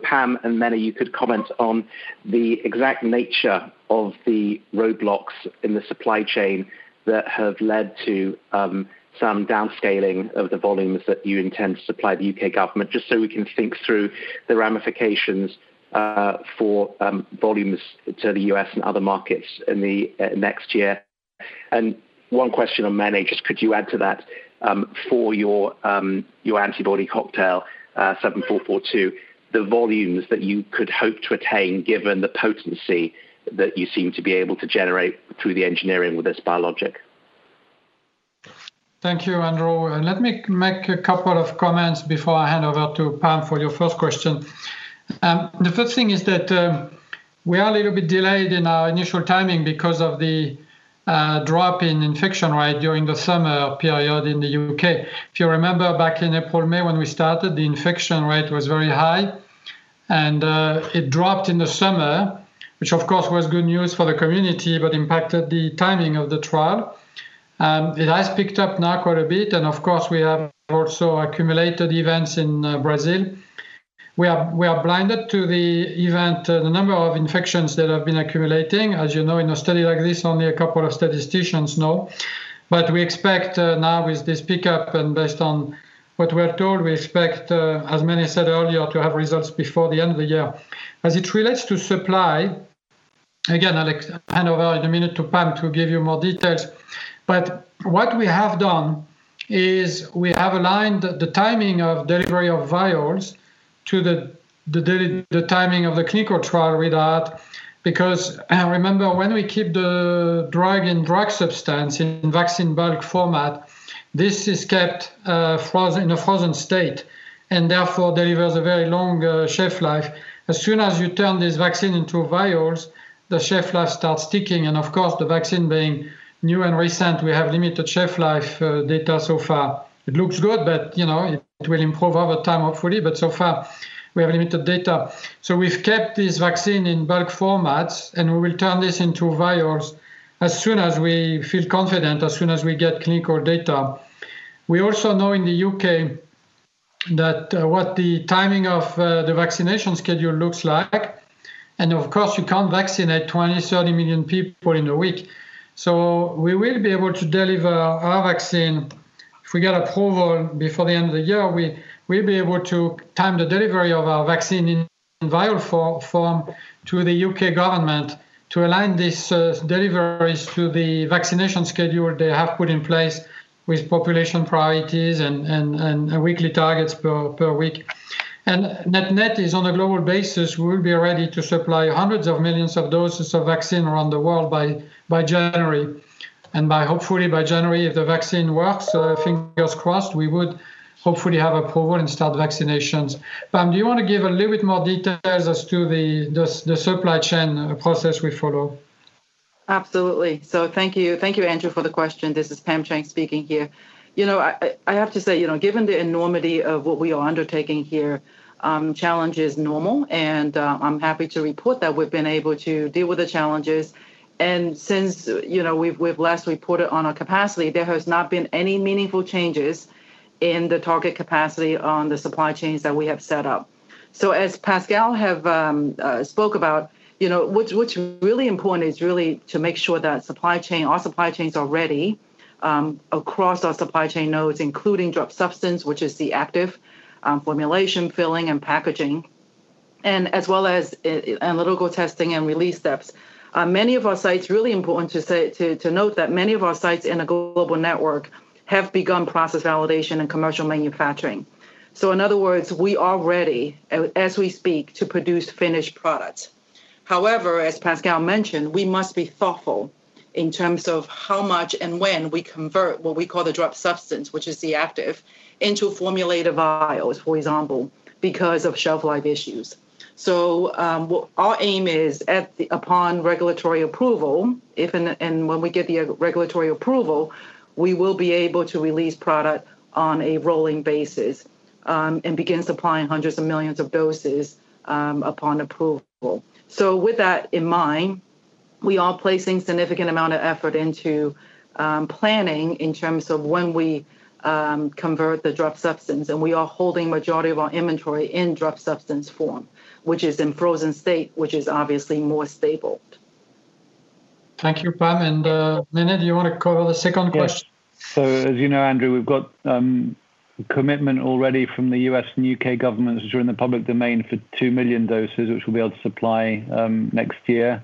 Pam and Mene, you could comment on the exact nature of the roadblocks in the supply chain that have led to some downscaling of the volumes that you intend to supply the U.K. government, just so we can think through the ramifications for volumes to the U.S. and other markets in the next year. One question on Mene, could you add to that for your antibody cocktail 7442, the volumes that you could hope to attain given the potency that you seem to be able to generate through the engineering with this biologic? Thank you, Andrew. Let me make a couple of comments before I hand over to Pam for your first question. The first thing is that we are a little bit delayed in our initial timing because of the drop in infection rate during the summer period in the U.K. If you remember back in April, May, when we started, the infection rate was very high. It dropped in the summer, which of course, was good news for the community, but impacted the timing of the trial. It has picked up now quite a bit. Of course, we have also accumulated events in Brazil. We are blinded to the event, the number of infections that have been accumulating. As you know, in a study like this, only a couple of statisticians know. We expect now with this pickup, and based on what we are told, we expect, as Mene said earlier, to have results before the end of the year. As it relates to supply, again, I'll hand over in a minute to Pam to give you more details. What we have done is we have aligned the timing of delivery of vials to the timing of the clinical trial readout. Remember, when we keep the drug in drug substance, in vaccine bulk format, this is kept in a frozen state, and therefore delivers a very long shelf life. As soon as you turn this vaccine into vials, the shelf life starts ticking, and of course, the vaccine being new and recent, we have limited shelf life data so far. It looks good, but it will improve over time, hopefully, but so far we have limited data. We've kept this vaccine in bulk formats, and we will turn this into vials as soon as we feel confident, as soon as we get clinical data. We also know in the U.K. what the timing of the vaccination schedule looks like, and of course, you can't vaccinate 20, 30 million people in a week. We will be able to deliver our vaccine, if we get approval before the end of the year, we'll be able to time the delivery of our vaccine in vial form to the U.K. government to align these deliveries to the vaccination schedule they have put in place with population priorities and weekly targets per week. Net is, on a global basis, we'll be ready to supply hundreds of millions of doses of vaccine around the world by January. Hopefully by January, if the vaccine works, fingers crossed, we would hopefully have approval and start vaccinations. Pam, do you want to give a little bit more details as to the supply chain process we follow? Absolutely. Thank you, Andrew, for the question. This is Pam Cheng speaking here. I have to say, given the enormity of what we are undertaking here, challenge is normal, and I'm happy to report that we've been able to deal with the challenges. Since we've last reported on our capacity, there has not been any meaningful changes in the target capacity on the supply chains that we have set up. As Pascal spoke about, what's really important is really to make sure that our supply chain's all ready across our supply chain nodes, including drug substance, which is the active formulation, filling, and packaging, as well as analytical testing and release steps. It's really important to note that many of our sites in the global network have begun process validation and commercial manufacturing. In other words, we are ready as we speak to produce finished products. As Pascal mentioned, we must be thoughtful in terms of how much and when we convert what we call the drug substance, which is the active, into formulated vials, for example, because of shelf life issues. Our aim is, upon regulatory approval, if and when we get the regulatory approval, we will be able to release product on a rolling basis, and begin supplying hundreds of millions of doses upon approval. With that in mind, we are placing significant amount of effort into planning in terms of when we convert the drug substance, and we are holding majority of our inventory in drug substance form, which is in frozen state, which is obviously more stable. Thank you, Pam. Mene, do you want to cover the second question? Yes. As you know, Andrew, we've got commitment already from the U.S. and U.K. governments, which are in the public domain, for 2 million doses, which we'll be able to supply next year.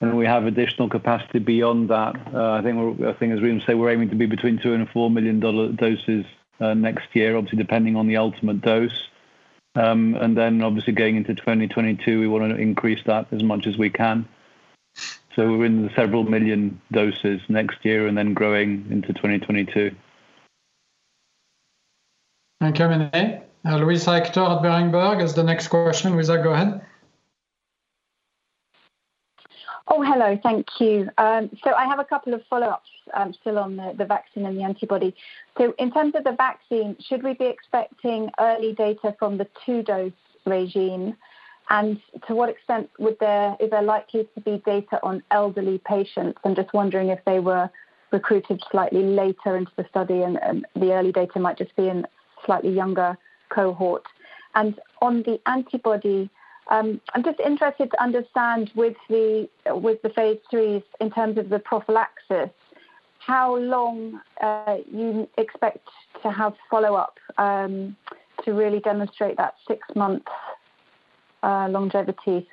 We have additional capacity beyond that. I think as we say, we're aiming to be between 2 billion and 4 billion doses next year, obviously depending on the ultimate dose. Obviously going into 2022, we want to increase that as much as we can. We're in the several billion doses next year, and then growing into 2022. Thank you, Mene. Luisa Hector at Berenberg has the next question. Luisa, go ahead. Oh, hello. Thank you. I have a couple of follow-ups still on the vaccine and the antibody. In terms of the vaccine, should we be expecting early data from the two-dose regime, and to what extent is there likely to be data on elderly patients? I'm just wondering if they were recruited slightly later into the study, and the early data might just be in slightly younger cohort. On the antibody, I'm just interested to understand with the phase III, in terms of the prophylaxis, how long you expect to have follow-up to really demonstrate that six-month longevity.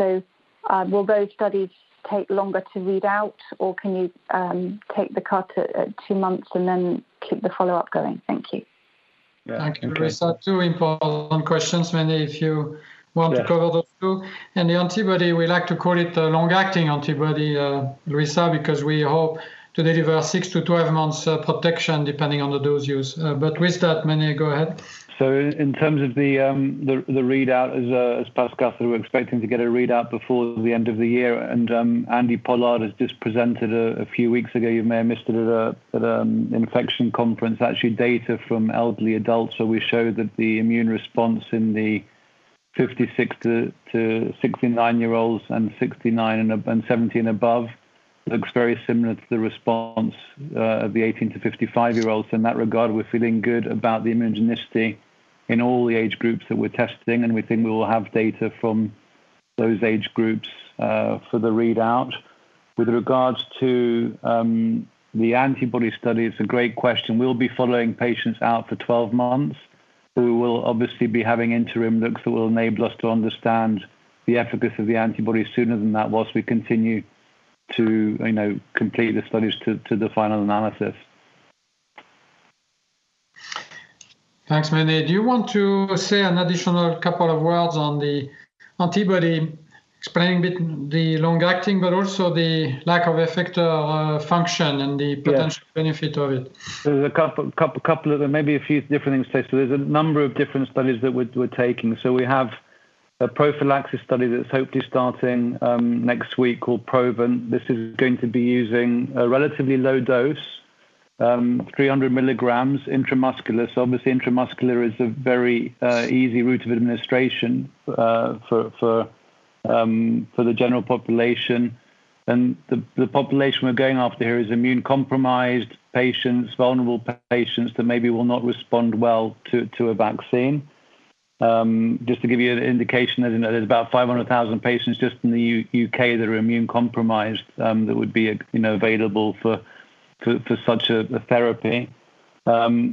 Will those studies take longer to read out, or can you take the cut at two months and then keep the follow-up going? Thank you. Yeah. Okay. Thank you, Luisa. Two important questions, Mene, if you want to cover those two. Yeah. The antibody, we like to call it the long-acting antibody, Luisa, because we hope to deliver six to 12 months protection depending on the dose used. With that, Mene, go ahead. In terms of the readout, as Pascal said, we're expecting to get a readout before the end of the year. Andrew Pollard has just presented a few weeks ago, you may have missed it at an infection conference, actually, data from elderly adults where we show that the immune response in the 56 to 69-year-olds and 69 and 70 and above looks very similar to the response of the 18 to 55-year-olds. In that regard, we're feeling good about the immunogenicity in all the age groups that we're testing, and we think we will have data from those age groups for the readout. With regards to the antibody study, it's a great question. We'll be following patients out for 12 months, who will obviously be having interim looks that will enable us to understand the efficacy of the antibody sooner than that while we continue to complete the studies to the final analysis. Thanks, Mene. Do you want to say an additional couple of words on the antibody, explaining the long-acting, but also the lack of effector function? Yeah potential benefit of it? There's maybe a few different things to it. There's a number of different studies that we're taking. We have a prophylaxis study that's hopefully starting next week called PROVENT. This is going to be using a relatively low dose, 300 milligrams intramuscular. Obviously, intramuscular is a very easy route of administration for a general population. The population we're going after here is immune-compromised patients, vulnerable patients that maybe will not respond well to a vaccine. Just to give you an indication, there's about 500,000 patients just in the U.K. that are immune-compromised that would be available for such a therapy.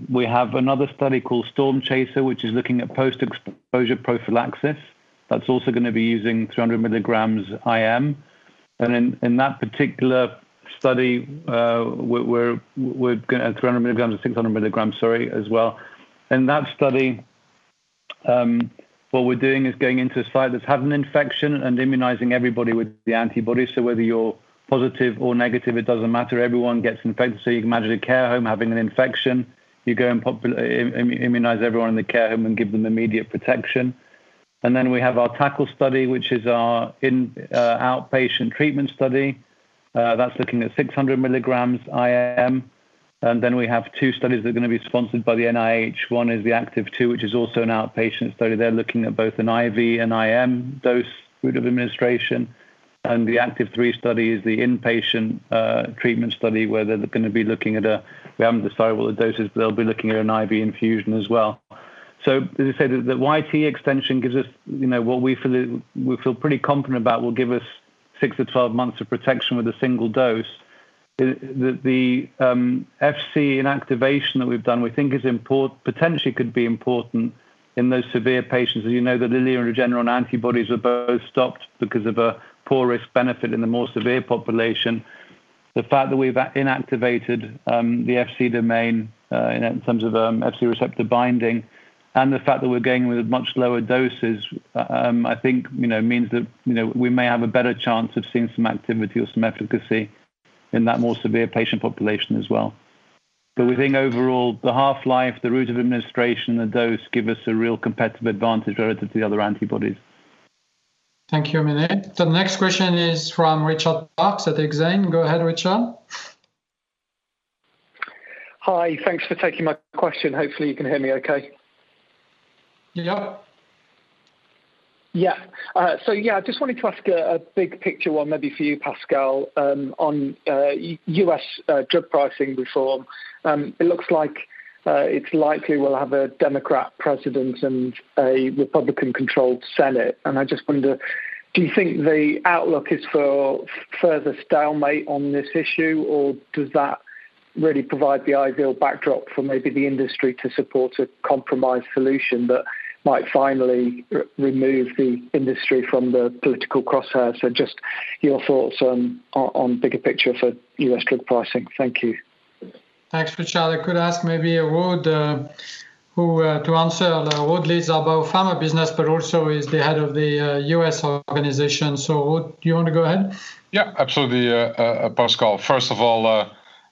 We have another study called STORM CHASER, which is looking at post-exposure prophylaxis. That's also going to be using 300 milligrams IM. In that particular study, we're going to add 300 milligrams or 600 milligrams, sorry, as well. In that study, what we're doing is going into a site that's had an infection and immunizing everybody with the antibody. Whether you're positive or negative, it doesn't matter, everyone gets infected. You can imagine a care home having an infection. You go and immunize everyone in the care home and give them immediate protection. We have our TACKLE study, which is our outpatient treatment study. That's looking at 600 mg IM. We have two studies that are going to be sponsored by the NIH. One is the ACTIV-2, which is also an outpatient study. They're looking at both an IV and IM dose route of administration. The ACTIV-3 study is the inpatient treatment study, we haven't decided what the dose is, but they'll be looking at an IV infusion as well. As I said, the YTE extension gives us what we feel pretty confident about will give us 6-12 months of protection with a single dose. The Fc inactivation that we've done, we think potentially could be important in those severe patients. As you know, the Lilly and the general antibodies are both stopped because of a poor risk-benefit in the more severe population. The fact that we've inactivated the Fc domain in terms of Fc receptor binding, and the fact that we're going with much lower doses, I think means that we may have a better chance of seeing some activity or some efficacy in that more severe patient population as well. We think overall, the half-life, the route of administration, the dose give us a real competitive advantage relative to the other antibodies. Thank you, Mene. The next question is from Richard Parkes at Exane. Go ahead, Richard. Hi. Thanks for taking my question. Hopefully, you can hear me okay. Yeah. I just wanted to ask a big picture one maybe for you, Pascal, on U.S. drug pricing reform. It looks like it's likely we'll have a Democrat president and a Republican-controlled Senate, and I just wonder, do you think the outlook is for further stalemate on this issue, or does that really provide the ideal backdrop for maybe the industry to support a compromised solution that might finally remove the industry from the political crosshairs? Just your thoughts on bigger picture for U.S. drug pricing. Thank you. Thanks, Richard. I could ask maybe Ruud to answer. Ruud leads our whole pharma business, but also is the head of the U.S. organization. Ruud, do you want to go ahead? Yeah, absolutely, Pascal. First of all,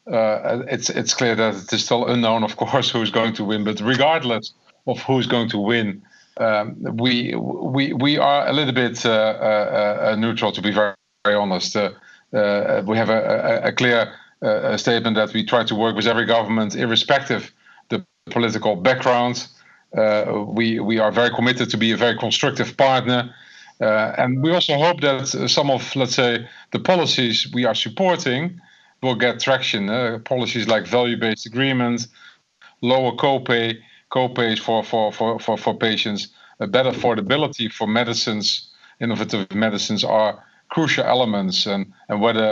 it's clear that it is still unknown, of course, who's going to win. Regardless of who's going to win, we are a little bit neutral, to be very honest. We have a clear statement that we try to work with every government, irrespective the political backgrounds. We are very committed to be a very constructive partner. We also hope that some of, let's say, the policies we are supporting will get traction. Policies like value-based agreements, lower copays for patients, a better affordability for medicines, innovative medicines are crucial elements. Whether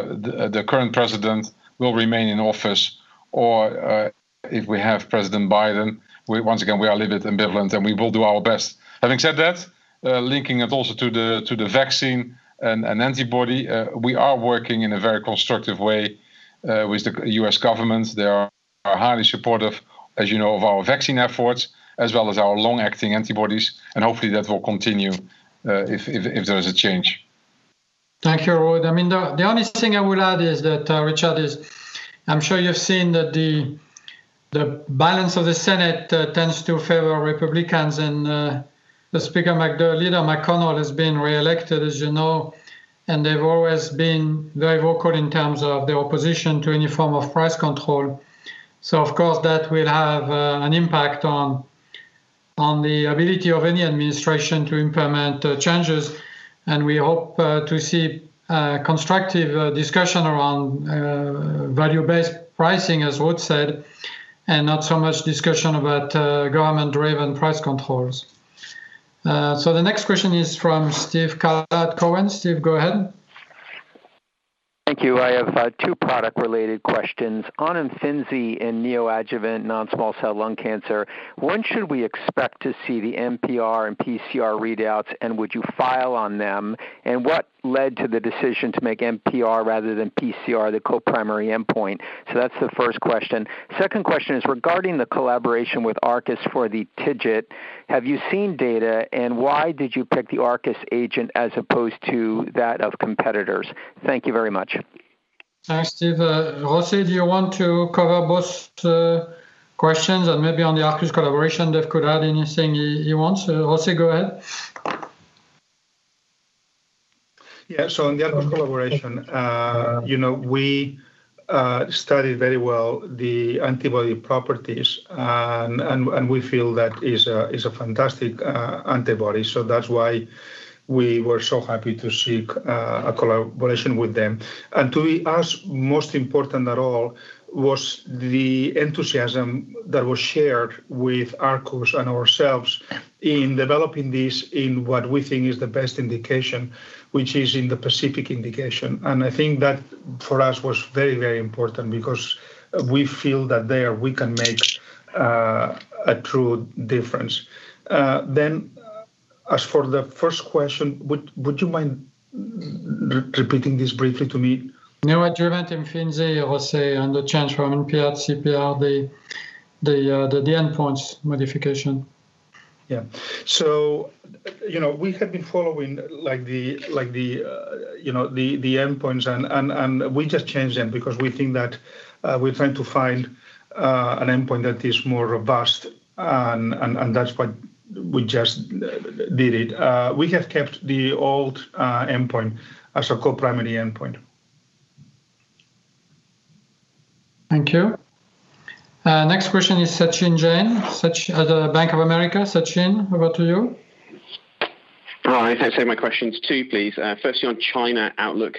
the current president will remain in office or if we have President Biden, once again, we are a little bit ambivalent, and we will do our best. Having said that, linking it also to the vaccine and antibody, we are working in a very constructive way with the U.S. governments. They are highly supportive, as you know, of our vaccine efforts, as well as our long-acting antibodies, and hopefully that will continue if there is a change. Thank you, Ruud. The only thing I would add, Richard, is I'm sure you've seen that the balance of the Senate tends to favor Republicans. The Speaker, Leader McConnell, has been reelected, as you know. They've always been very vocal in terms of their opposition to any form of price control. Of course, that will have an impact on the ability of any administration to implement changes. We hope to see constructive discussion around value-based pricing, as Ruud said, and not so much discussion about government-driven price controls. The next question is from Steve Scala. Steve, go ahead. Thank you. I have two product-related questions. On IMFINZI in neo-adjuvant non-small cell lung cancer, when should we expect to see the MPR and pCR readouts, and would you file on them? What led to the decision to make MPR rather than pCR the co-primary endpoint? That's the first question. Second question is regarding the collaboration with Arcus for the TIGIT. Have you seen data, and why did you pick the Arcus agent as opposed to that of competitors? Thank you very much. Thanks, Steve. José, do you want to cover both questions? Maybe on the Arcus collaboration, Dave could add anything he wants. José, go ahead. Yeah. On the Arcus collaboration we studied very well the antibody properties, and we feel that is a fantastic antibody, that's why we were so happy to seek a collaboration with them. To be asked, most important at all, was the enthusiasm that was shared with Arcus and ourselves in developing this in what we think is the best indication, which is in the Pacific indication. I think that for us was very important because we feel that there we can make a true difference. As for the first question, would you mind repeating this briefly to me? Neo-adjuvant IMFINZI, José, on the change from MPR to pCR, the endpoints modification. Yeah. We have been following the endpoints, and we just changed them because we think that we're trying to find an endpoint that is more robust, and that's why we just did it. We have kept the old endpoint as a co-primary endpoint. Thank you. Next question is Sachin Jain at Bank of America. Sachin, over to you. Hi. Thanks. My question's two, please. On China outlook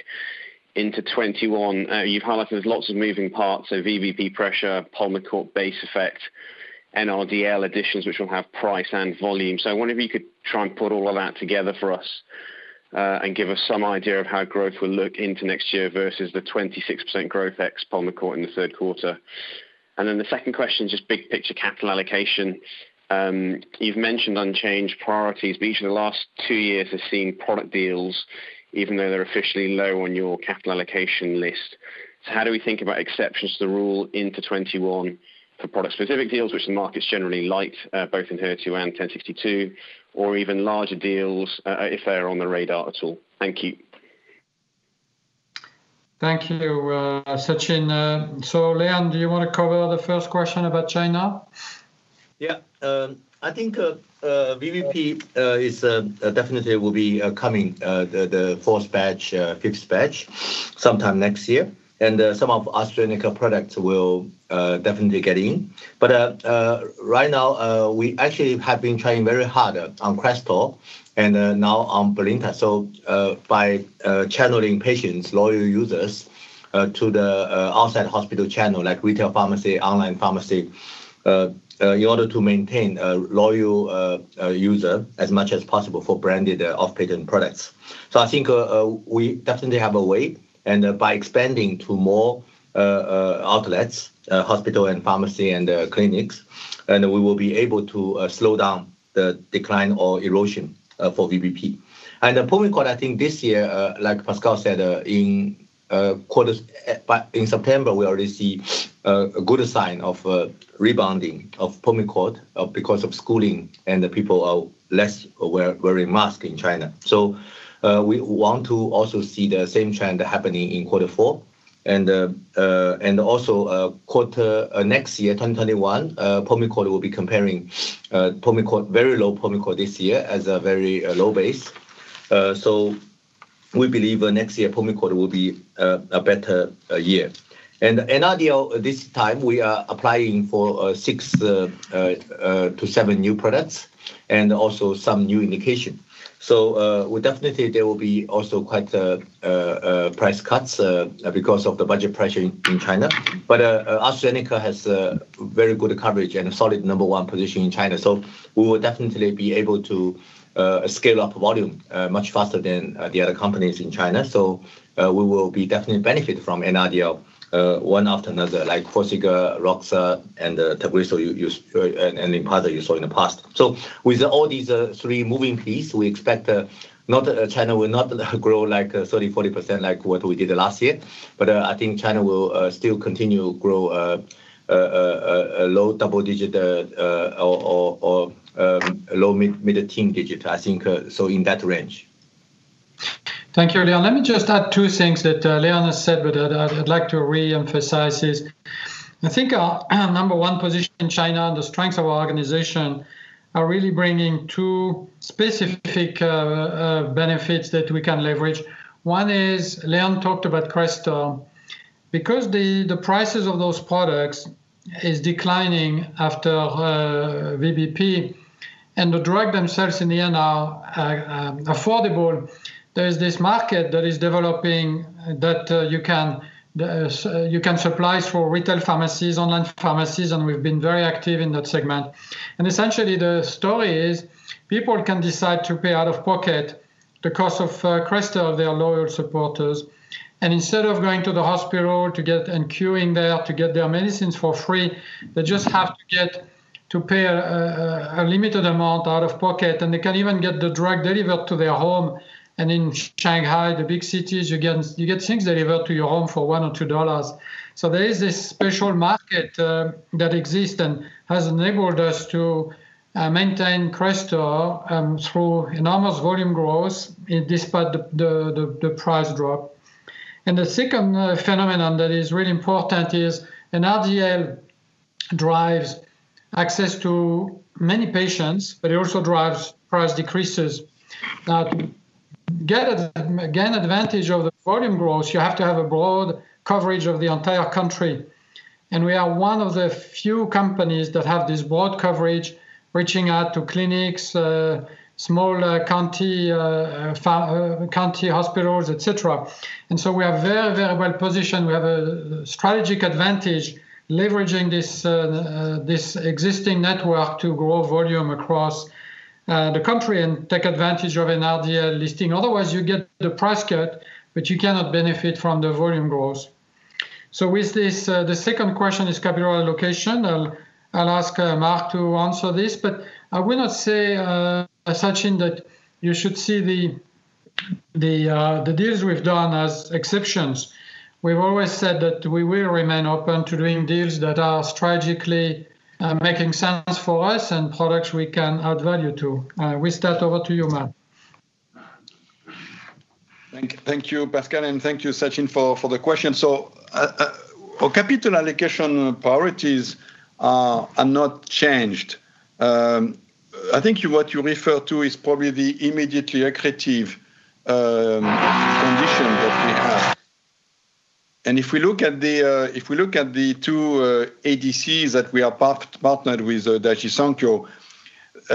into 2021. You've highlighted there's lots of moving parts, VBP pressure, PULMICORT base effect, NRDL additions, which will have price and volume. I wonder if you could try and put all of that together for us, and give us some idea of how growth will look into next year versus the 26% growth ex-PULMICORT in the third quarter. The second question, just big picture capital allocation. You've mentioned unchanged priorities, each of the last two years have seen product deals even though they're officially low on your capital allocation list. How do we think about exceptions to the rule into 2021 for product-specific deals, which the markets generally like, both ENHERTU and 1062, or even larger deals, if they are on the radar at all? Thank you. Thank you, Sachin. Leon, do you want to cover the first question about China? Yeah. I think VBP is definitely will be coming the fourth batch, fifth batch sometime next year. Some of AstraZeneca products will definitely get in. Right now, we actually have been trying very hard on Crestor and now on BRILINTA. By channeling patients, loyal users, to the outside hospital channel, like retail pharmacy, online pharmacy, in order to maintain a loyal user as much as possible for branded off-patent products. I think we definitely have a way, and by expanding to more outlets, hospital and pharmacy and clinics, we will be able to slow down the decline or erosion for VBP. PULMICORT, I think this year, like Pascal said, in September, we already see a good sign of rebounding of PULMICORT because of schooling and the people are less wearing mask in China. We want to also see the same trend happening in quarter four. Also next year, 2021, PULMICORT will be comparing very low PULMICORT this year as a very low base. We believe next year PULMICORT will be a better year. NRDL this time we are applying for 6 to 7 new products and also some new indication. Definitely there will be also quite price cuts because of the budget pressure in China. AstraZeneca has very good coverage and a solid number 1 position in China. We will definitely be able to scale up volume much faster than the other companies in China. We will be definitely benefit from NRDL, one after another, like Farxiga, LYNPARZA, and TAGRISSO and IMFINZI you saw in the past. With all these three moving pieces, we expect China will not grow 30%-40% like what we did last year. I think China will still continue grow a low double-digit or low mid-teen digit, I think. In that range. Thank you, Leon. Let me just add two things that Leon has said, but I'd like to reemphasize is, I think our number one position in China and the strength of our organization are really bringing two specific benefits that we can leverage. One is, Leon talked about Crestor. Because the prices of those products is declining after VBP and the drug themselves in the end are affordable, there is this market that is developing that you can supply for retail pharmacies, online pharmacies, and we've been very active in that segment. Essentially, the story is people can decide to pay out of pocket the cost of Crestor, they are loyal supporters. Instead of going to the hospital and queuing there to get their medicines for free, they just have to pay a limited amount out of pocket, and they can even get the drug delivered to their home. In Shanghai, the big cities, you get things delivered to your home for $1 or $2. There is this special market that exists and has enabled us to maintain Crestor through enormous volume growth despite the price drop. The second phenomenon that is really important is an NRDL drives access to many patients, but it also drives price decreases. To gain advantage of the volume growth, you have to have a broad coverage of the entire country. We are one of the few companies that have this broad coverage, reaching out to clinics, small county hospitals, et cetera. We are very well positioned. We have a strategic advantage leveraging this existing network to grow volume across the country and take advantage of an NRDL listing. Otherwise, you get the price cut, but you cannot benefit from the volume growth. With this, the second question is capital allocation. I'll ask Marc to answer this, but I will not say, Sachin, that you should see the deals we've done as exceptions. We've always said that we will remain open to doing deals that are strategically making sense for us and products we can add value to. With that, over to you, Marc. Thank you, Pascal, and thank you, Sachin, for the question. For capital allocation, priorities are not changed. I think what you refer to is probably the immediately accretive condition that we have. If we look at the two ADCs that we have partnered with Daiichi Sankyo,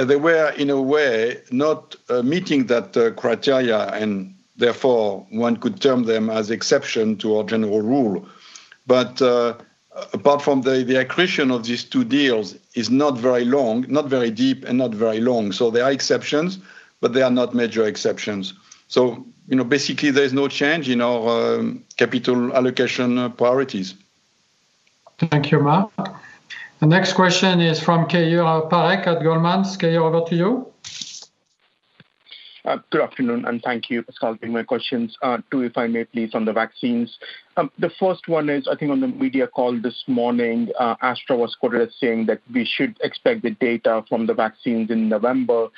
they were, in a way, not meeting that criteria, and therefore one could term them as exception to our general rule. Apart from the accretion of these two deals is not very deep and not very long. They are exceptions, but they are not major exceptions. Basically, there is no change in our capital allocation priorities. Thank you, Marc. The next question is from Keyur Parekh at Goldman. Keyur, over to you. Good afternoon, and thank you, Pascal. My questions are two, if I may please, on the vaccines. The first one is, I think on the media call this morning, Astra was quoted as saying that we should expect the data from the vaccines in November.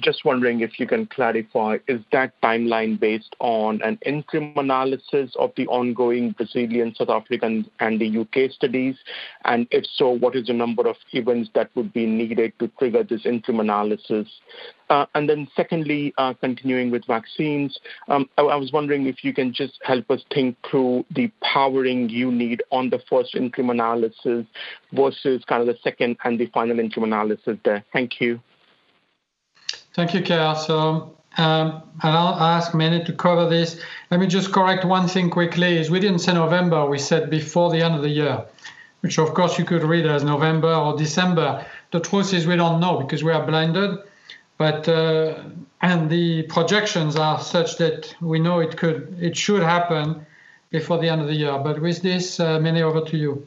Just wondering if you can clarify, is that timeline based on an interim analysis of the ongoing Brazilian, South African, and the U.K. studies? If so, what is the number of events that would be needed to trigger this interim analysis? Secondly, continuing with vaccines, I was wondering if you can just help us think through the powering you need on the first interim analysis versus the second and the final interim analysis there. Thank you. Thank you, Keyur. I'll ask Mene to cover this. Let me just correct one thing quickly, is we didn't say November, we said before the end of the year, which of course you could read as November or December. The truth is we don't know because we are blinded, and the projections are such that we know it should happen before the end of the year. With this, Mene, over to you.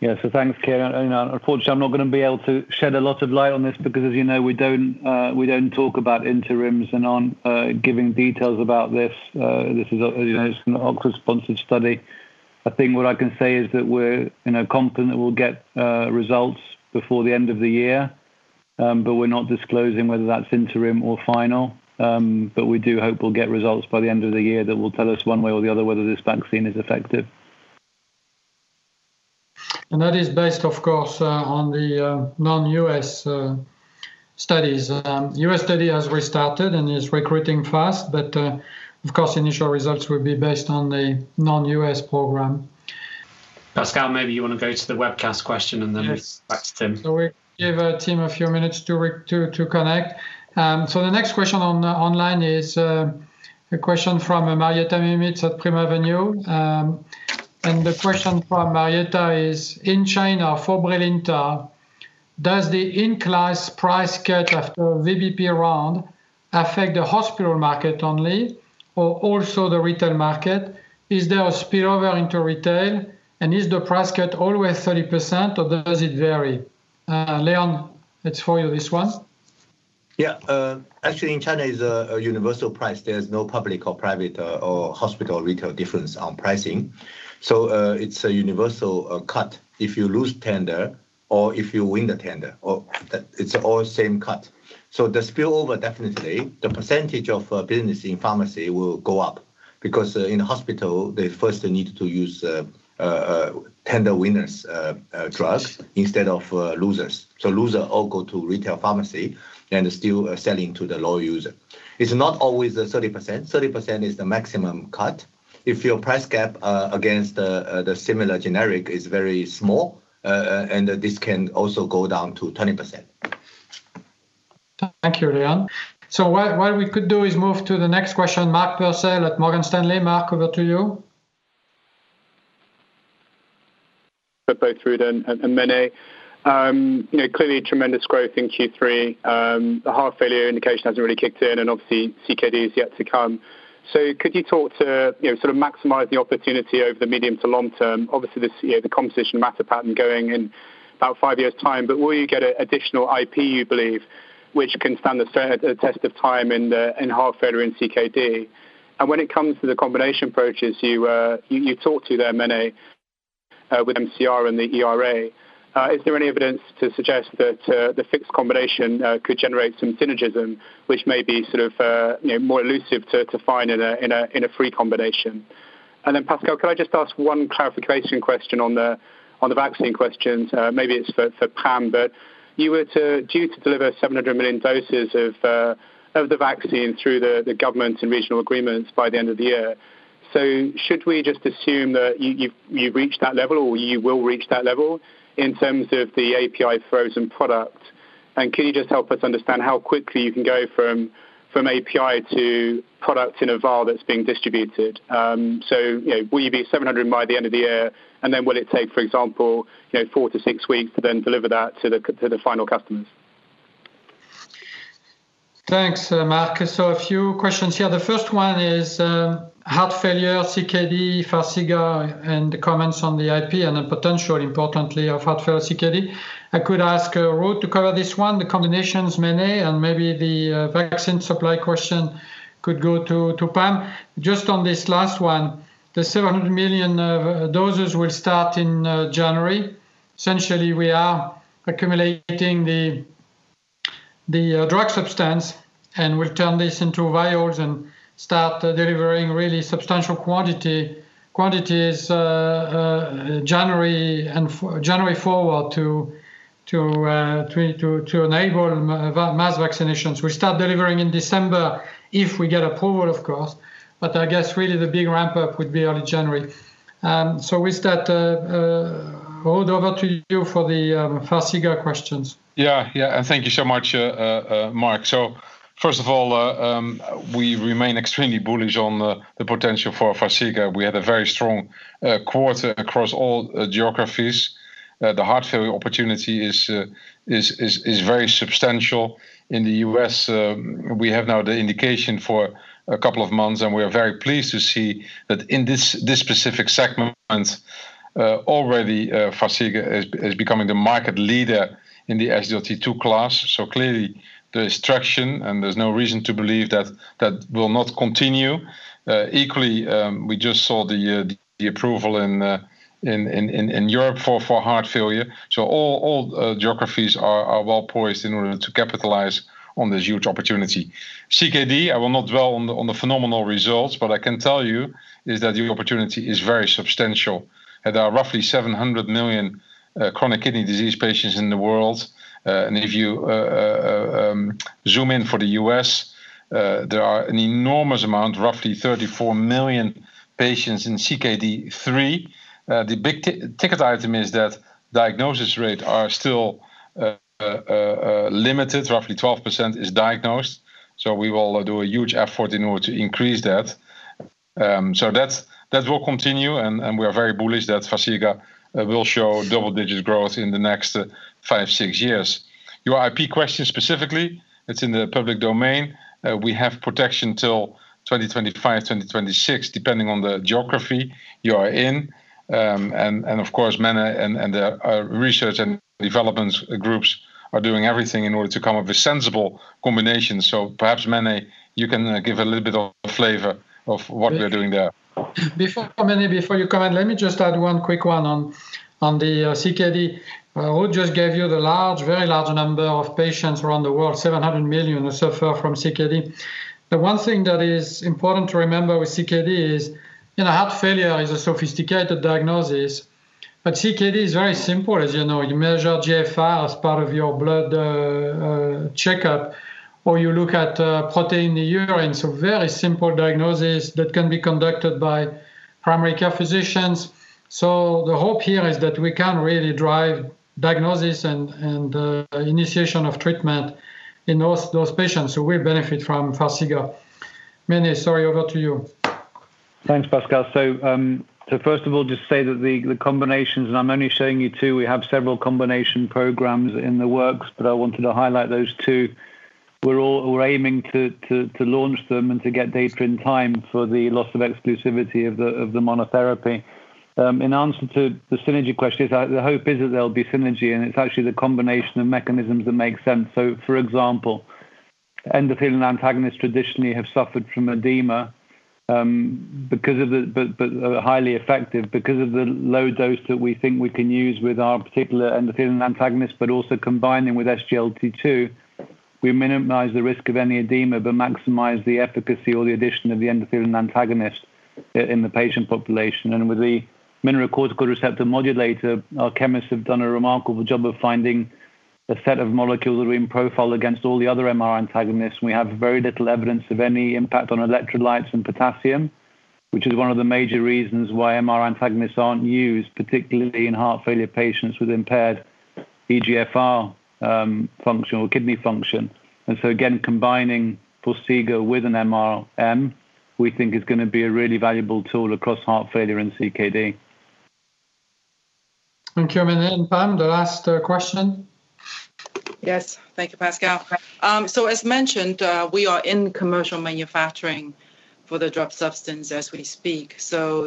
Thanks, Keyur. Unfortunately, I'm not going to be able to shed a lot of light on this because, as you know, we don't talk about interims and on giving details about this. This is an Oxford-sponsored study. I think what I can say is that we're confident that we'll get results before the end of the year, but we're not disclosing whether that's interim or final. We do hope we'll get results by the end of the year that will tell us one way or the other whether this vaccine is effective. That is based, of course, on the non-U.S. studies. U.S. study has restarted and is recruiting fast, but of course, initial results will be based on the non-U.S. program. Pascal, maybe you want to go to the webcast question, and then back to Tim. We give Tim a few minutes to connect. The next question online is a question from Marietta Miemietz at Primavenue. The question from Marietta is, "In China, for BRILINTA, does the in-class price cut after VBP round affect the hospital market only or also the retail market? Is there a spill-over into retail? Is the price cut always 30%, or does it vary?" Leon, it's for you, this one. Actually, in China is a universal price. There's no public or private or hospital-retail difference on pricing. It's a universal cut. If you lose tender or if you win the tender, it's all same cut. The spillover definitely, the percentage of business in pharmacy will go up because in hospital, they first need to use tender winners drugs instead of losers. Loser all go to retail pharmacy and still selling to the low user. It's not always 30%. 30% is the maximum cut. If your price gap against the similar generic is very small, this can also go down to 20%. Thank you, Leon. What we could do is move to the next question, Mark Purcell at Morgan Stanley. Mark, over to you. For both Ruud and Mene. Clearly tremendous growth in Q3. The heart failure indication hasn't really kicked in, and obviously CKD is yet to come. Could you talk to maximize the opportunity over the medium to long term, obviously, the competition pattern going in about 5 years' time, but will you get additional IP, you believe, which can stand the test of time in heart failure and CKD? When it comes to the combination approaches, you talked to there, Mene, with mCRPC and the ERA. Is there any evidence to suggest that the fixed combination could generate some synergism which may be more elusive to find in a free combination? Pascal, could I just ask one clarification question on the vaccine questions? Maybe it's for Pam, but you were due to deliver 700 million doses of the vaccine through the government and regional agreements by the end of the year. Should we just assume that you've reached that level, or you will reach that level in terms of the API frozen product? Can you just help us understand how quickly you can go from API to product in a vial that's being distributed. Will you be at 700 by the end of the year, will it take, for example, four to six weeks to then deliver that to the final customers? Thanks, Mark. A few questions here. The first one is heart failure, CKD, Farxiga, and the comments on the IP and the potential, importantly, of heart failure, CKD. I could ask Ruud to cover this one, the combinations, Mene, and maybe the vaccine supply question could go to Pam. Just on this last one, the 700 million doses will start in January. Essentially, we are accumulating the drug substance, and we'll turn this into vials and start delivering really substantial quantities January forward to enable mass vaccinations. We start delivering in December if we get approval, of course, but I guess really the big ramp-up would be early January. With that, Ruud, over to you for the Farxiga questions. Yeah, thank you so much, Mark. First of all, we remain extremely bullish on the potential for Farxiga. We had a very strong quarter across all geographies. The heart failure opportunity is very substantial. In the U.S., we have now the indication for a couple of months, and we are very pleased to see that in this specific segment, already Farxiga is becoming the market leader in the SGLT2 class. Clearly, there is traction, and there's no reason to believe that will not continue. Equally, we just saw the approval in Europe for heart failure. All geographies are well-poised in order to capitalize on this huge opportunity. CKD, I will not dwell on the phenomenal results, but I can tell you is that the opportunity is very substantial. There are roughly 700 million chronic kidney disease patients in the world. If you zoom in for the U.S., there are an enormous amount, roughly 34 million patients in CKD 3. The big-ticket item is that diagnosis rate are still limited. Roughly 12% is diagnosed. We will do a huge effort in order to increase that. That will continue, and we are very bullish that Farxiga will show double-digit growth in the next five, six years. Your IP question specifically, it's in the public domain. We have protection till 2025, 2026, depending on the geography you are in. Of course, Mene and the research and development groups are doing everything in order to come up with sensible combinations. Perhaps, Mene, you can give a little bit of flavor of what we're doing there. Mene, before you comment, let me just add one quick one on the CKD. Ruud just gave you the very large number of patients around the world, 700 million who suffer from CKD. The one thing that is important to remember with CKD is, heart failure is a sophisticated diagnosis, but CKD is very simple as you know. You measure GFR as part of your blood checkup, or you look at protein in urine. Very simple diagnosis that can be conducted by primary care physicians. The hope here is that we can really drive diagnosis and initiation of treatment in those patients who will benefit from Farxiga. Mene, sorry, over to you. Thanks, Pascal. First of all, just say that the combinations, and I'm only showing you two, we have several combination programs in the works, but I wanted to highlight those two. We're aiming to launch them and to get data in time for the loss of exclusivity of the monotherapy. In answer to the synergy question, the hope is that there'll be synergy, and it's actually the combination of mechanisms that make sense. For example, endothelin antagonists traditionally have suffered from edema, but are highly effective. Because of the low dose that we think we can use with our particular endothelin antagonist, but also combining with SGLT2. We minimize the risk of any edema but maximize the efficacy or the addition of the endothelin antagonist in the patient population. With the mineralocorticoid receptor modulator, our chemists have done a remarkable job of finding a set of molecules that we can profile against all the other MR antagonists, and we have very little evidence of any impact on electrolytes and potassium, which is one of the major reasons why MR antagonists aren't used, particularly in heart failure patients with impaired eGFR function or kidney function. Again, combining dapagliflozin with an MRM, we think is going to be a really valuable tool across heart failure and CKD. Thank you, Mene. Pam, the last question. Yes. Thank you, Pascal. As mentioned, we are in commercial manufacturing for the drug substance as we speak,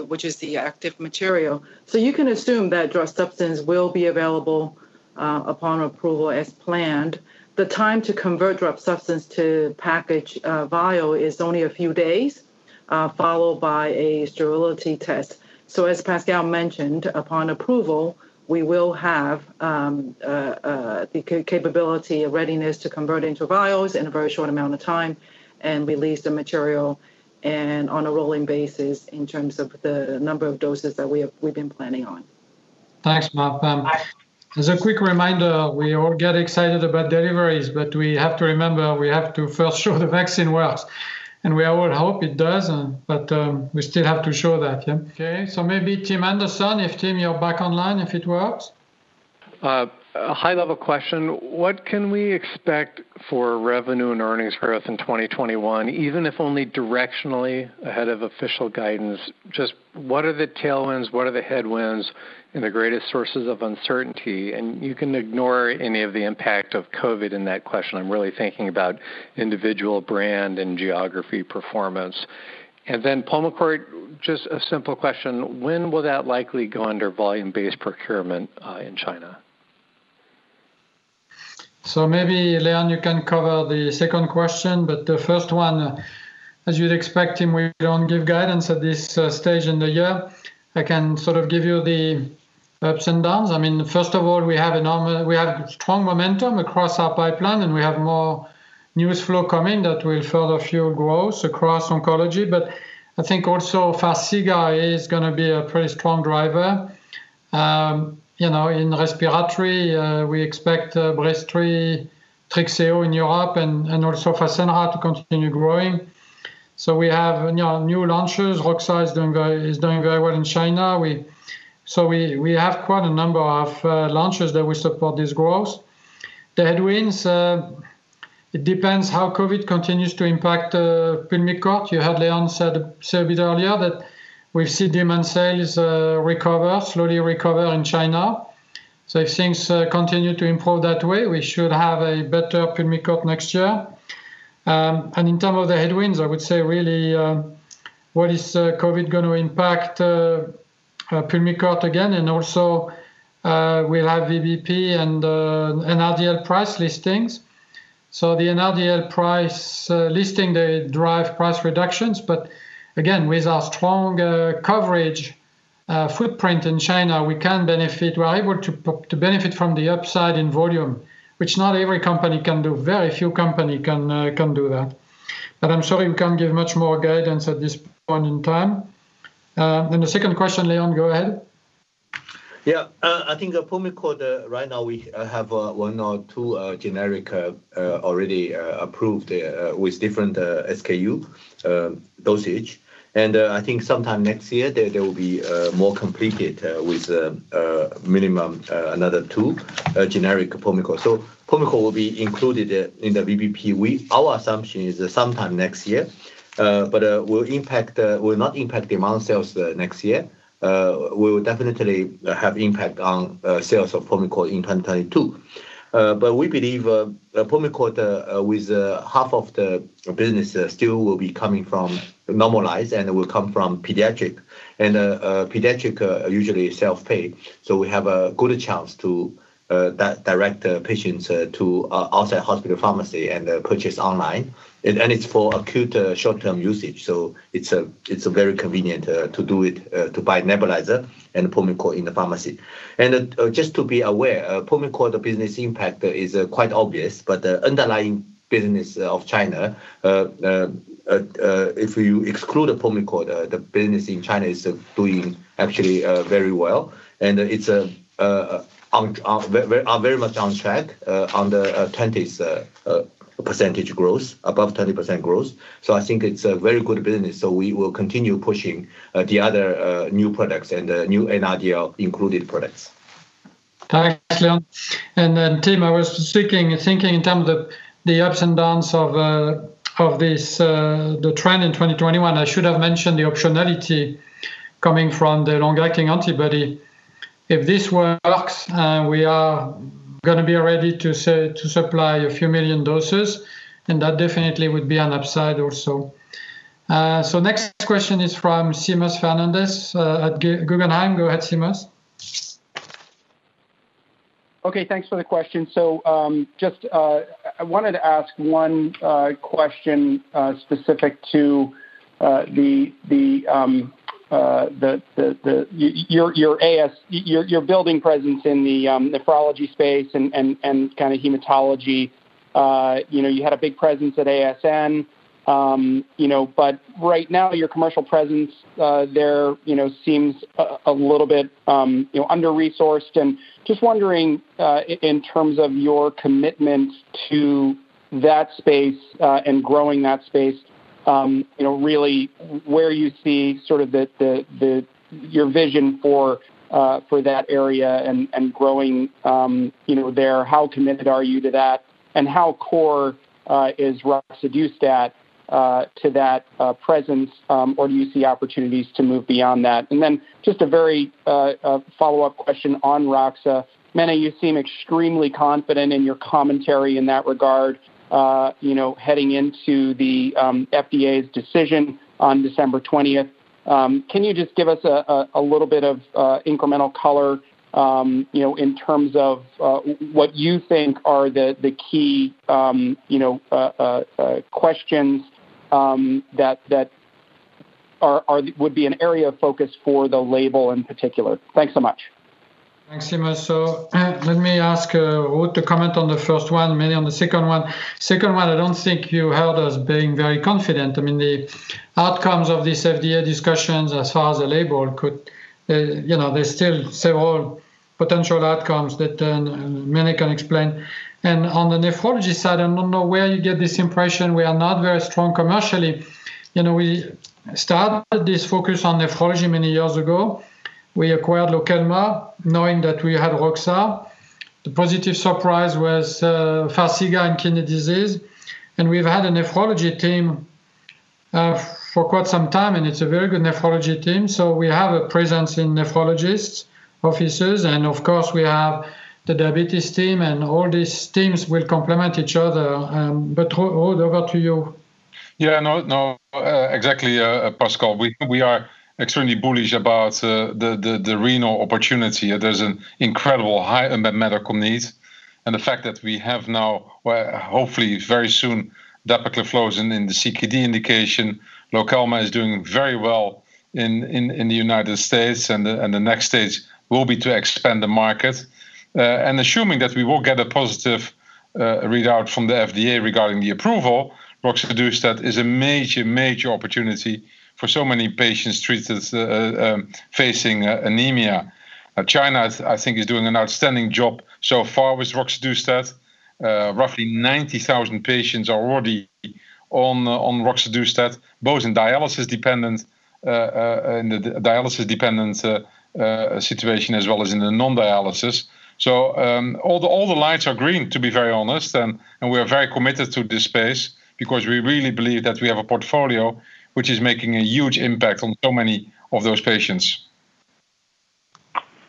which is the active material. You can assume that drug substance will be available upon approval as planned. The time to convert drug substance to package vial is only a few days, followed by a sterility test. As Pascal mentioned, upon approval, we will have the capability and readiness to convert into vials in a very short amount of time and release the material on a rolling basis in terms of the number of doses that we've been planning on. Thanks, Pam. As a quick reminder, we all get excited about deliveries, but we have to remember, we have to first show the vaccine works. We all hope it does, but we still have to show that. Maybe Tim Anderson, if, Tim, you're back online, if it works. A high-level question. What can we expect for revenue and earnings growth in 2021, even if only directionally ahead of official guidance? What are the tailwinds, what are the headwinds, and the greatest sources of uncertainty? You can ignore any of the impact of COVID-19 in that question. I'm really thinking about individual brand and geography performance. Pulmicort, just a simple question. When will that likely go under VBP in China? Maybe, Leon, you can cover the second question, but the first one, as you'd expect, Tim, we don't give guidance at this stage in the year. I can sort of give you the ups and downs. First of all, we have strong momentum across our pipeline, and we have more news flow coming that will further fuel growth across oncology. I think also Farxiga is going to be a pretty strong driver. In respiratory, we expect BREZTRI, Trixeo in Europe, and also FASENRA to continue growing. We have new launches. roxadustat is doing very well in China. We have quite a number of launches that will support this growth. The headwinds, it depends how COVID-19 continues to impact Pulmicort. You heard Leon say a bit earlier that we see demand sales slowly recover in China. If things continue to improve that way, we should have a better Pulmicort next year. In terms of the headwinds, I would say really, what is COVID going to impact Pulmicort again, also we'll have VBP and NRDL price listings. The NRDL price listing, they drive price reductions, but again, with our strong coverage footprint in China, we can benefit. We're able to benefit from the upside in volume, which not every company can do. Very few companies can do that. I'm sorry, we can't give much more guidance at this point in time. The second question, Leon, go ahead. Yeah. I think the Pulmicort, right now we have one or two generics already approved with different SKU dosage. I think sometime next year, there will be more completed with a minimum of another two generic Pulmicort. Pulmicort will be included in the VBP. Our assumption is sometime next year, but will not impact demand sales next year. We will definitely have impact on sales of Pulmicort in 2022. We believe Pulmicort, with half of the business still will be coming from normalized and will come from pediatric. Pediatric usually is self-pay. We have a good chance to direct patients to outside hospital pharmacy and purchase online. It's for acute short-term usage, so it's very convenient to do it, to buy nebulizer and Pulmicort in the pharmacy. Just to be aware, Pulmicort business impact is quite obvious, but the underlying business of China, if you exclude Pulmicort, the business in China is doing actually very well. It's very much on track on the 20% growth, above 20% growth. I think it's a very good business. We will continue pushing the other new products and the new NRDL-included products. Thanks, Leon. Tim, I was thinking in terms of the ups and downs of the trend in 2021. I should have mentioned the optionality coming from the long-lasting antibody. If this works, we are going to be ready to supply a few million doses, and that definitely would be an upside also. Next question is from Seamus Fernandez at Guggenheim. Go ahead, Seamus. Okay, thanks for the question. Just, I wanted to ask one question specific to Your building presence in the nephrology space and hematology. You had a big presence at ASN. Right now, your commercial presence there seems a little bit under-resourced. Just wondering, in terms of your commitment to that space, and growing that space, really where you see your vision for that area and growing there, how committed are you to that? How core is roxadustat to that presence, or do you see opportunities to move beyond that? Just a very follow-up question on roxa. Mene, you seem extremely confident in your commentary in that regard heading into the FDA's decision on December 20th. Can you just give us a little bit of incremental color in terms of what you think are the key questions that would be an area of focus for the label in particular? Thanks so much. Thanks, Seamus. Let me ask Ruud to comment on the first one, Mene on the second one. Second one, I don't think you heard us being very confident. I mean, the outcomes of these FDA discussions as far as the label could, there's still several potential outcomes that Mene can explain. On the nephrology side, I don't know where you get this impression we are not very strong commercially. We started this focus on nephrology many years ago. We acquired LOKELMA, knowing that we had roxadustat. The positive surprise was Farxiga in kidney disease. We've had a nephrology team for quite some time, and it's a very good nephrology team. We have a presence in nephrologists, offices, and of course, we have the diabetes team, and all these teams will complement each other. Ruud, over to you. Yeah, no. Exactly, Pascal. We are extremely bullish about the renal opportunity. There's an incredible high unmet medical need, the fact that we have now, hopefully very soon, dapagliflozin in the CKD indication. LOKELMA is doing very well in the United States, the next stage will be to expand the market. Assuming that we will get a positive readout from the FDA regarding the approval, roxadustat is a major opportunity for so many patients facing anemia. China, I think, is doing an outstanding job so far with roxadustat. Roughly 90,000 patients are already on roxadustat, both in dialysis-dependent situation as well as in the non-dialysis. All the lights are green, to be very honest. We are very committed to this space because we really believe that we have a portfolio which is making a huge impact on so many of those patients.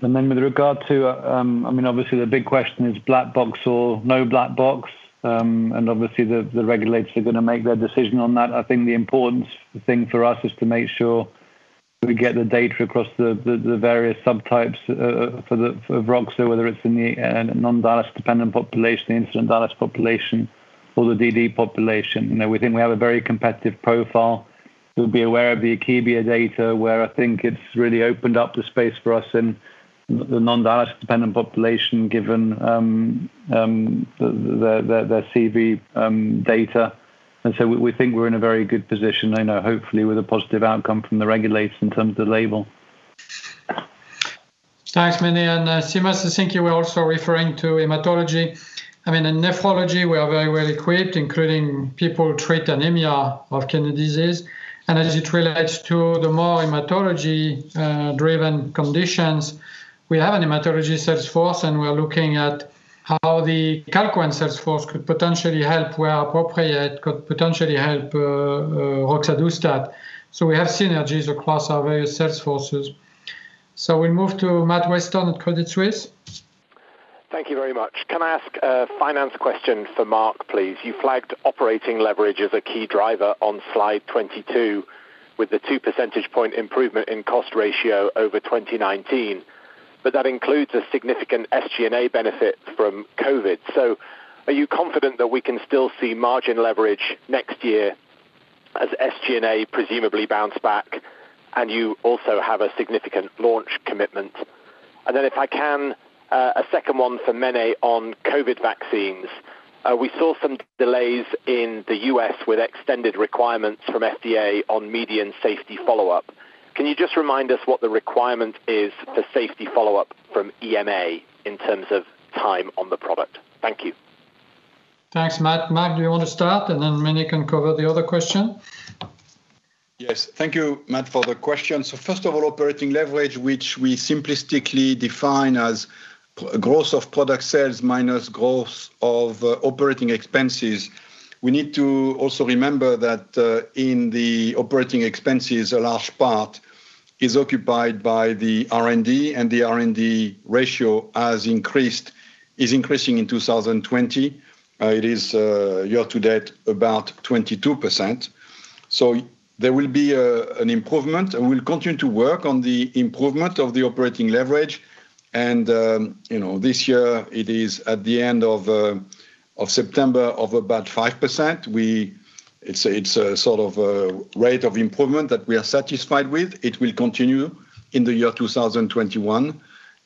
With regard to, obviously the big question is black box or no black box. Obviously, the regulators are going to make their decision on that. I think the important thing for us is to make sure that we get the data across the various subtypes for roxa, whether it's in the non-dialysis dependent population, the incident dialysis population, or the DD population. Within, we have a very competitive profile. We'll be aware of the Akebia data, where I think it's really opened up the space for us in the non-dialysis dependent population, given their CV data. We think we're in a very good position. I know hopefully with a positive outcome from the regulators in terms of the label. Thanks, Mene. Seamus, I think you were also referring to hematology. In nephrology, we are very well-equipped, including people who treat anemia of kidney disease. As it relates to the more hematology-driven conditions, we have a hematology sales force, and we're looking at how the CALQUENCE sales force could potentially help where appropriate, could potentially help roxadustat. We have synergies across our various sales forces. We move to Matthew Weston at Credit Suisse. Thank you very much. Can I ask a finance question for Marc, please? You flagged operating leverage as a key driver on slide 22 with the two percentage point improvement in cost ratio over 2019. That includes a significant SG&A benefit from COVID-19. Are you confident that we can still see margin leverage next year as SG&A presumably bounce back and you also have a significant launch commitment? If I can, a second one for Mene on COVID-19 vaccines. We saw some delays in the U.S. with extended requirements from FDA on median safety follow-up. Can you just remind us what the requirement is for safety follow-up from EMA in terms of time on the product? Thank you. Thanks, Matt. Marc, do you want to start, and then Mene can cover the other question? Yes. Thank you, Matt, for the question. First of all, operating leverage, which we simplistically define as growth of product sales minus growth of operating expenses. We need to also remember that in the operating expenses, a large part is occupied by the R&D, and the R&D ratio is increasing in 2020. It is year to date about 22%. There will be an improvement, and we'll continue to work on the improvement of the operating leverage. This year it is at the end of September of about 5%. It's a sort of a rate of improvement that we are satisfied with. It will continue in the year 2021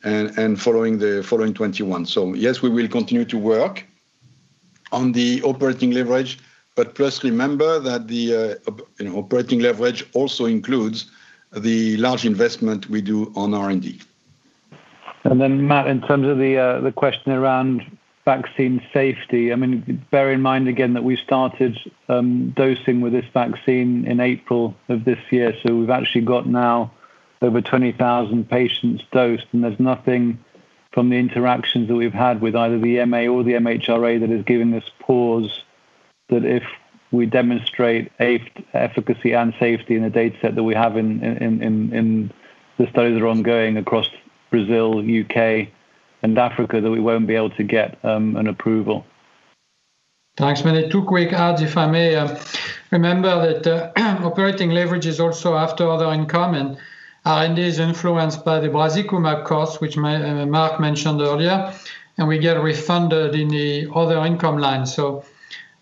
and following 2021. Yes, we will continue to work on the operating leverage, but please remember that the operating leverage also includes the large investment we do on R&D. Matt, in terms of the question around vaccine safety, bear in mind again that we started dosing with this vaccine in April of this year, so we've actually got now over 20,000 patients dosed, and there's nothing from the interactions that we've had with either the EMA or the MHRA that has given us pause that if we demonstrate efficacy and safety in the dataset that we have in the studies that are ongoing across Brazil, U.K., and Africa, that we won't be able to get an approval. Thanks. Two quick adds, if I may. Remember that operating leverage is also after other income, and R&D is influenced by the brazikumab costs, which Matt mentioned earlier, and we get refunded in the other income line.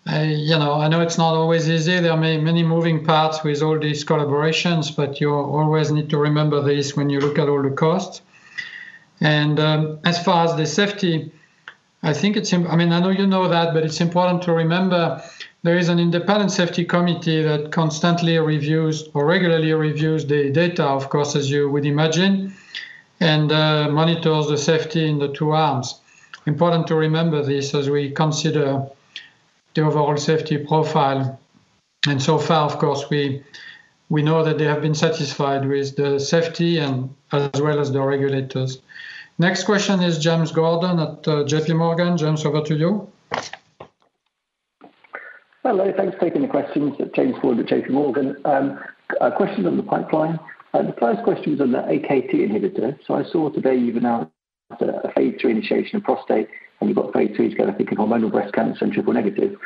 I know it's not always easy. There are many moving parts with all these collaborations, but you always need to remember this when you look at all the costs. As far as the safety, I know you know that, but it's important to remember there is an independent safety committee that constantly reviews or regularly reviews the data, of course, as you would imagine, and monitors the safety in the two arms. Important to remember this as we consider the overall safety profile. So far, of course, we know that they have been satisfied with the safety and as well as the regulators. Next question is James Gordon at JPMorgan. James, over to you. Hello. Thanks for taking the questions. It's James Gordon at JPMorgan. A question on the pipeline. The first question is on the AKT inhibitor. I saw today you've announced a phase II initiation in prostate, and you've got phase IIs going I think in hormonal breast cancer and triple-negative.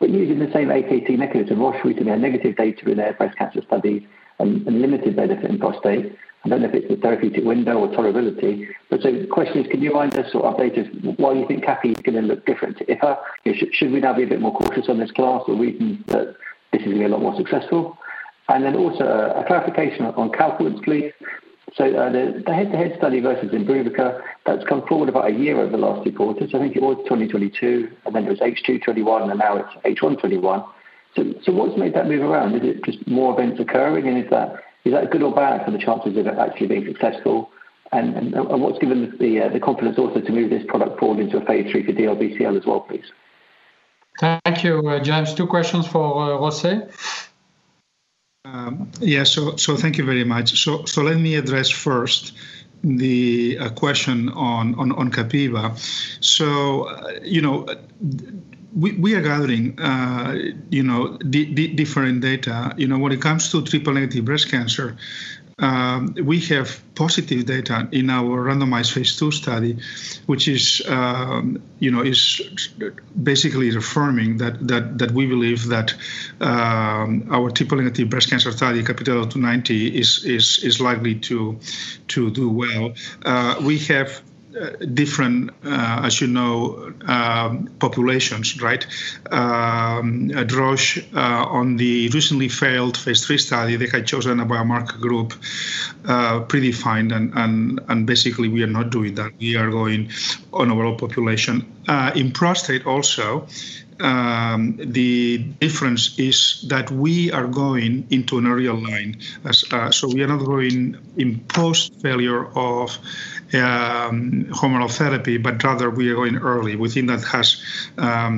Using the same AKT mechanism, Roche recently had negative data in their breast cancer studies and limited benefit in prostate. I don't know if it's the therapeutic window or tolerability. The question is, can you remind us or update us why you think capivasertib is going to look different to ipatasertib? Should we now be a bit more cautious on this class, or reason that this is going to be a lot more successful? also a clarification on capivasertib, please. the head-to-head study versus IMBRUVICA, that's come forward about a year over the last two quarters. I think it was 2022, and then it was H2 '21, and now it's H1 '21. what's made that move around? Is it just more events occurring, and is that good or bad for the chances of it actually being successful? what's given the confidence also to move this product forward into a phase III for DLBCL as well, please? Thank you, James. Two questions for José. Yeah. Thank you very much. Let me address first the question on capivasertib. We are gathering different data. When it comes to triple-negative breast cancer, we have positive data in our randomized phase II study, which is basically reaffirming that we believe that our triple-negative breast cancer study, CAPItello-290, is likely to do well. We have different, as you know, populations. At Roche, on the recently failed phase III study, they had chosen a biomarker group predefined, and basically we are not doing that. We are going on overall population. In prostate also, the difference is that we are going into an earlier line. We are not going in post-failure of hormonal therapy, but rather we are going early. We think that has a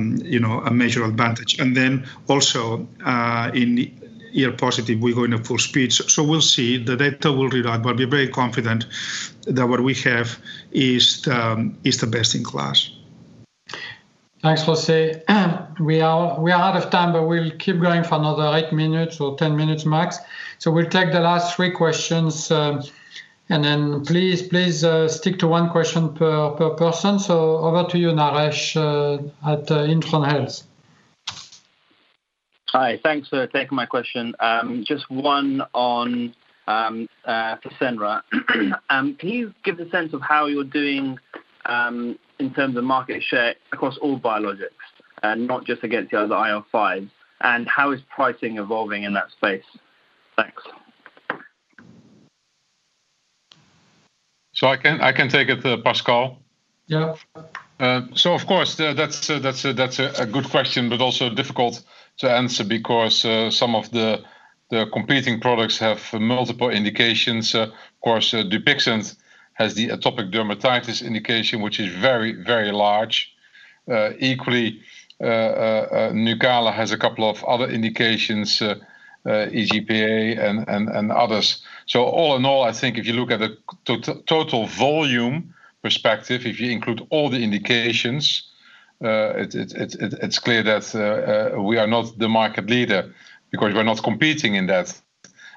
major advantage. Also, in ER positive, we're going at full speed. We'll see. The data will arrive, but we're very confident that what we have is the best in class. Thanks, José. We are out of time, but we'll keep going for another eight minutes or 10 minutes max. We'll take the last three questions, and then please stick to one question per person. Over to you, Naresh at Intron Health. Hi. Thanks for taking my question. Just one on FASENRA. Can you give the sense of how you're doing, in terms of market share across all biologics, not just against the other IL-5s, and how is pricing evolving in that space? Thanks. I can take it, Pascal. Yeah. Of course, that's a good question, but also difficult to answer because some of the competing products have multiple indications. Of course, Dupixent has the atopic dermatitis indication, which is very large. Equally, Nucala has a couple of other indications, EGPA and others. All in all, I think if you look at the total volume perspective, if you include all the indications, it's clear that we are not the market leader because we're not competing in that.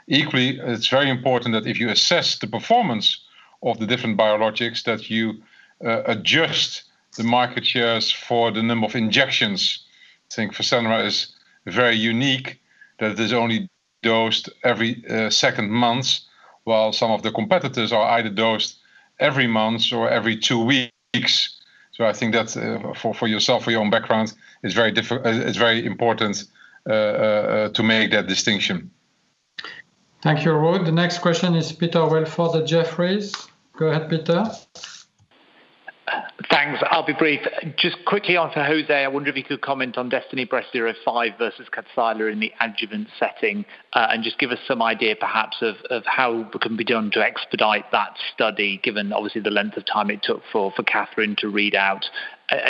Equally, it's very important that if you assess the performance of the different biologics, that you adjust the market shares for the number of injections. I think FASENRA is very unique that it is only dosed every second month, while some of the competitors are either dosed every month or every two weeks. I think that for yourself, for your own background, it's very important to make that distinction. Thank you, Ruud. The next question is Peter Welford at Jefferies. Go ahead, Peter. Thanks. I'll be brief. Just quickly onto José, I wonder if you could comment on DESTINY-Breast05 versus KADCYLA in the adjuvant setting, and just give us some idea perhaps of how it can be done to expedite that study, given obviously the length of time it took for KATHERINE to read out.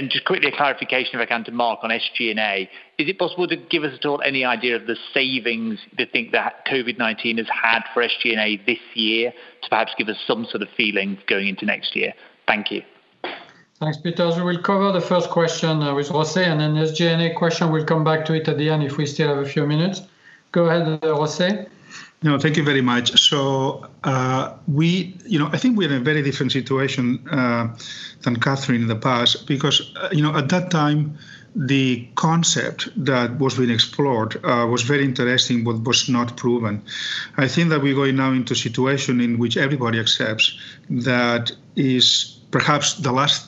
Just quickly a clarification if I can to Marc on SG&A, is it possible to give us at all any idea of the savings you think that COVID-19 has had for SG&A this year, to perhaps give us some sort of feeling going into next year? Thank you. Thanks, Peter. We'll cover the first question with José, and then the SG&A question, we'll come back to it at the end if we still have a few minutes. Go ahead, José. No, thank you very much. I think we are in a very different situation than KATHERINE in the past because at that time, the concept that was being explored was very interesting, but was not proven. I think that we are going now into a situation in which everybody accepts that is perhaps the last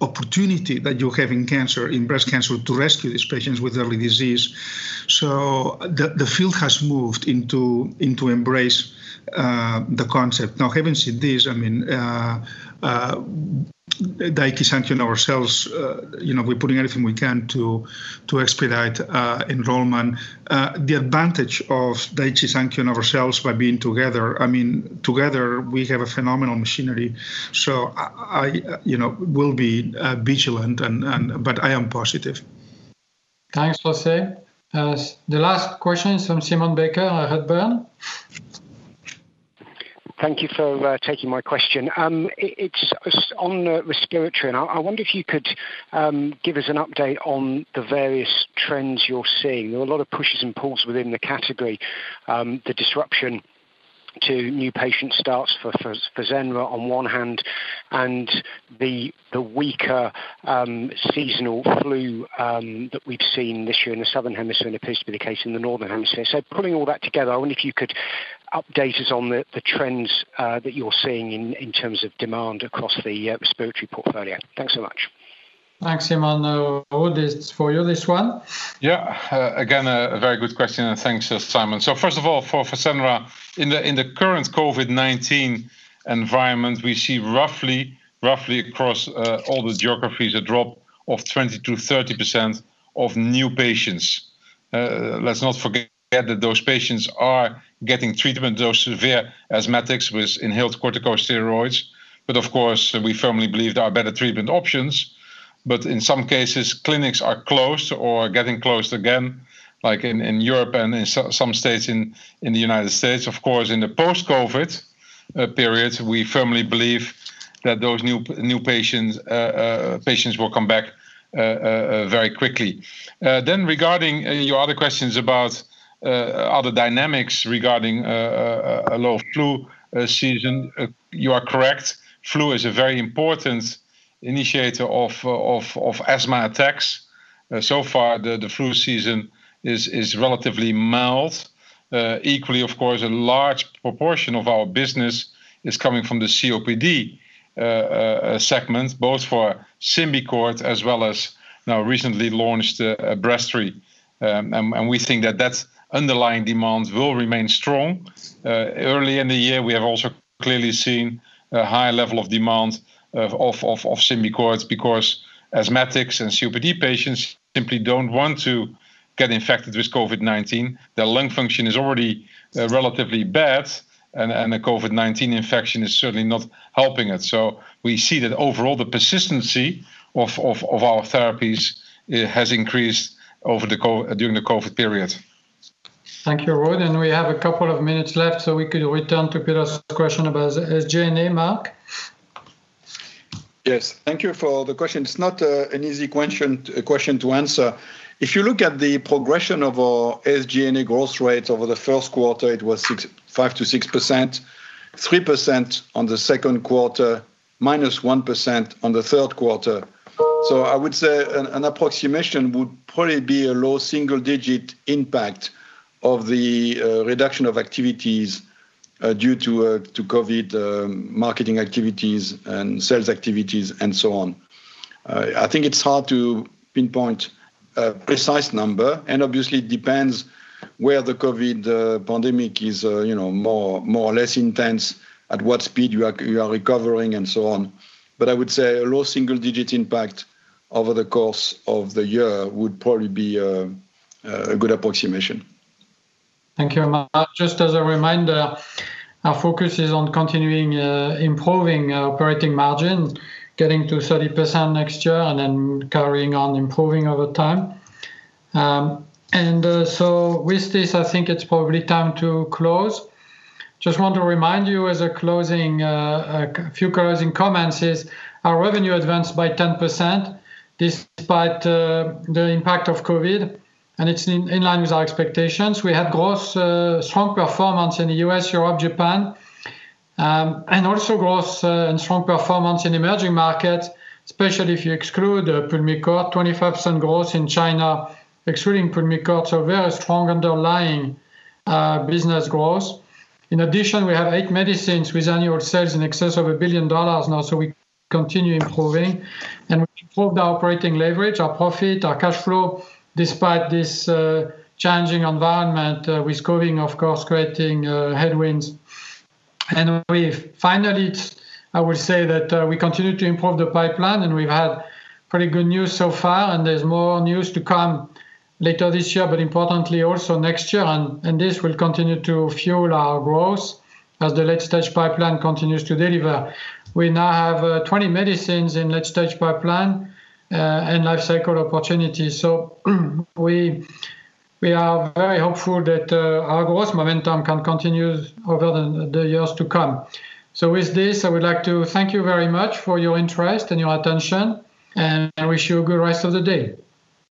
opportunity that you have in breast cancer to rescue these patients with early disease. The field has moved into embrace the concept. Now, having said this, Daiichi Sankyo and ourselves, we're putting everything we can to expedite enrollment. The advantage of Daiichi Sankyo and ourselves by being together we have a phenomenal machinery. We'll be vigilant, but I am positive. Thanks, José. The last question is from Simon Baker at Redburn. Thank you for taking my question. It's on respiratory, and I wonder if you could give us an update on the various trends you're seeing. There are a lot of pushes and pulls within the category. The disruption to new patient starts for FASENRA on one hand, and the weaker seasonal flu that we've seen this year in the southern hemisphere, and appears to be the case in the northern hemisphere. Pulling all that together, I wonder if you could update us on the trends that you're seeing in terms of demand across the respiratory portfolio. Thanks so much. Thanks, Simon. Ruud, this is for you, this one. Yeah. Again, a very good question, and thanks, Simon. first of all, for FASENRA, in the current COVID-19 environment, we see roughly across all the geographies, a drop of 20% to 30% of new patients. Let's not forget that those patients are getting treatment, those severe asthmatics with inhaled corticosteroids. of course, we firmly believe there are better treatment options. in some cases, clinics are closed or getting closed again, like in Europe and in some states in the U.S. Of course, in the post-COVID periods, we firmly believe that those new patients will come back very quickly. regarding your other questions about other dynamics regarding a low flu season, you are correct. Flu is a very important initiator of asthma attacks. far, the flu season is relatively mild. Equally, of course, a large proportion of our business is coming from the COPD segments, both for Symbicort as well as our recently launched Breztri. We think that that underlying demand will remain strong. Early in the year, we have also clearly seen a high level of demand off of Symbicort because asthmatics and COPD patients simply don't want to get infected with COVID-19. Their lung function is already relatively bad, and a COVID-19 infection is certainly not helping it. We see that overall, the persistency of our therapies has increased during the COVID period. Thank you, Ruud, and we have a couple of minutes left, so we could return to Peter's question about SG&A. Marc? Yes. Thank you for the question. It's not an easy question to answer. If you look at the progression of our SG&A growth rate over the first quarter, it was 5% to 6%, 3% on the second quarter, minus 1% on the third quarter. I would say an approximation would probably be a low single-digit impact of the reduction of activities due to COVID, marketing activities and sales activities and so on. I think it's hard to pinpoint a precise number, and obviously it depends where the COVID pandemic is more or less intense, at what speed you are recovering, and so on. I would say a low single-digit impact over the course of the year would probably be a good approximation. Thank you, Marc. Just as a reminder, our focus is on continuing improving our operating margin, getting to 30% next year, and then carrying on improving over time. With this, I think it's probably time to close. Just want to remind you, a few closing comments is, our revenue advanced by 10%, despite the impact of COVID, and it's in line with our expectations. We had strong performance in the U.S., Europe, Japan, and also growth and strong performance in emerging markets, especially if you exclude PULMICORT, 25% growth in China, excluding PULMICORT, so very strong underlying business growth. In addition, we have eight medicines with annual sales in excess of a billion dollars now, so we continue improving. We improved our operating leverage, our profit, our cash flow, despite this changing environment, with COVID, of course, creating headwinds. Finally, I would say that we continue to improve the pipeline, and we've had pretty good news so far, and there's more news to come later this year, but importantly also next year, and this will continue to fuel our growth as the late-stage pipeline continues to deliver. We now have 20 medicines in late-stage pipeline and life cycle opportunities. With this, I would like to thank you very much for your interest and your attention, and wish you a good rest of the day.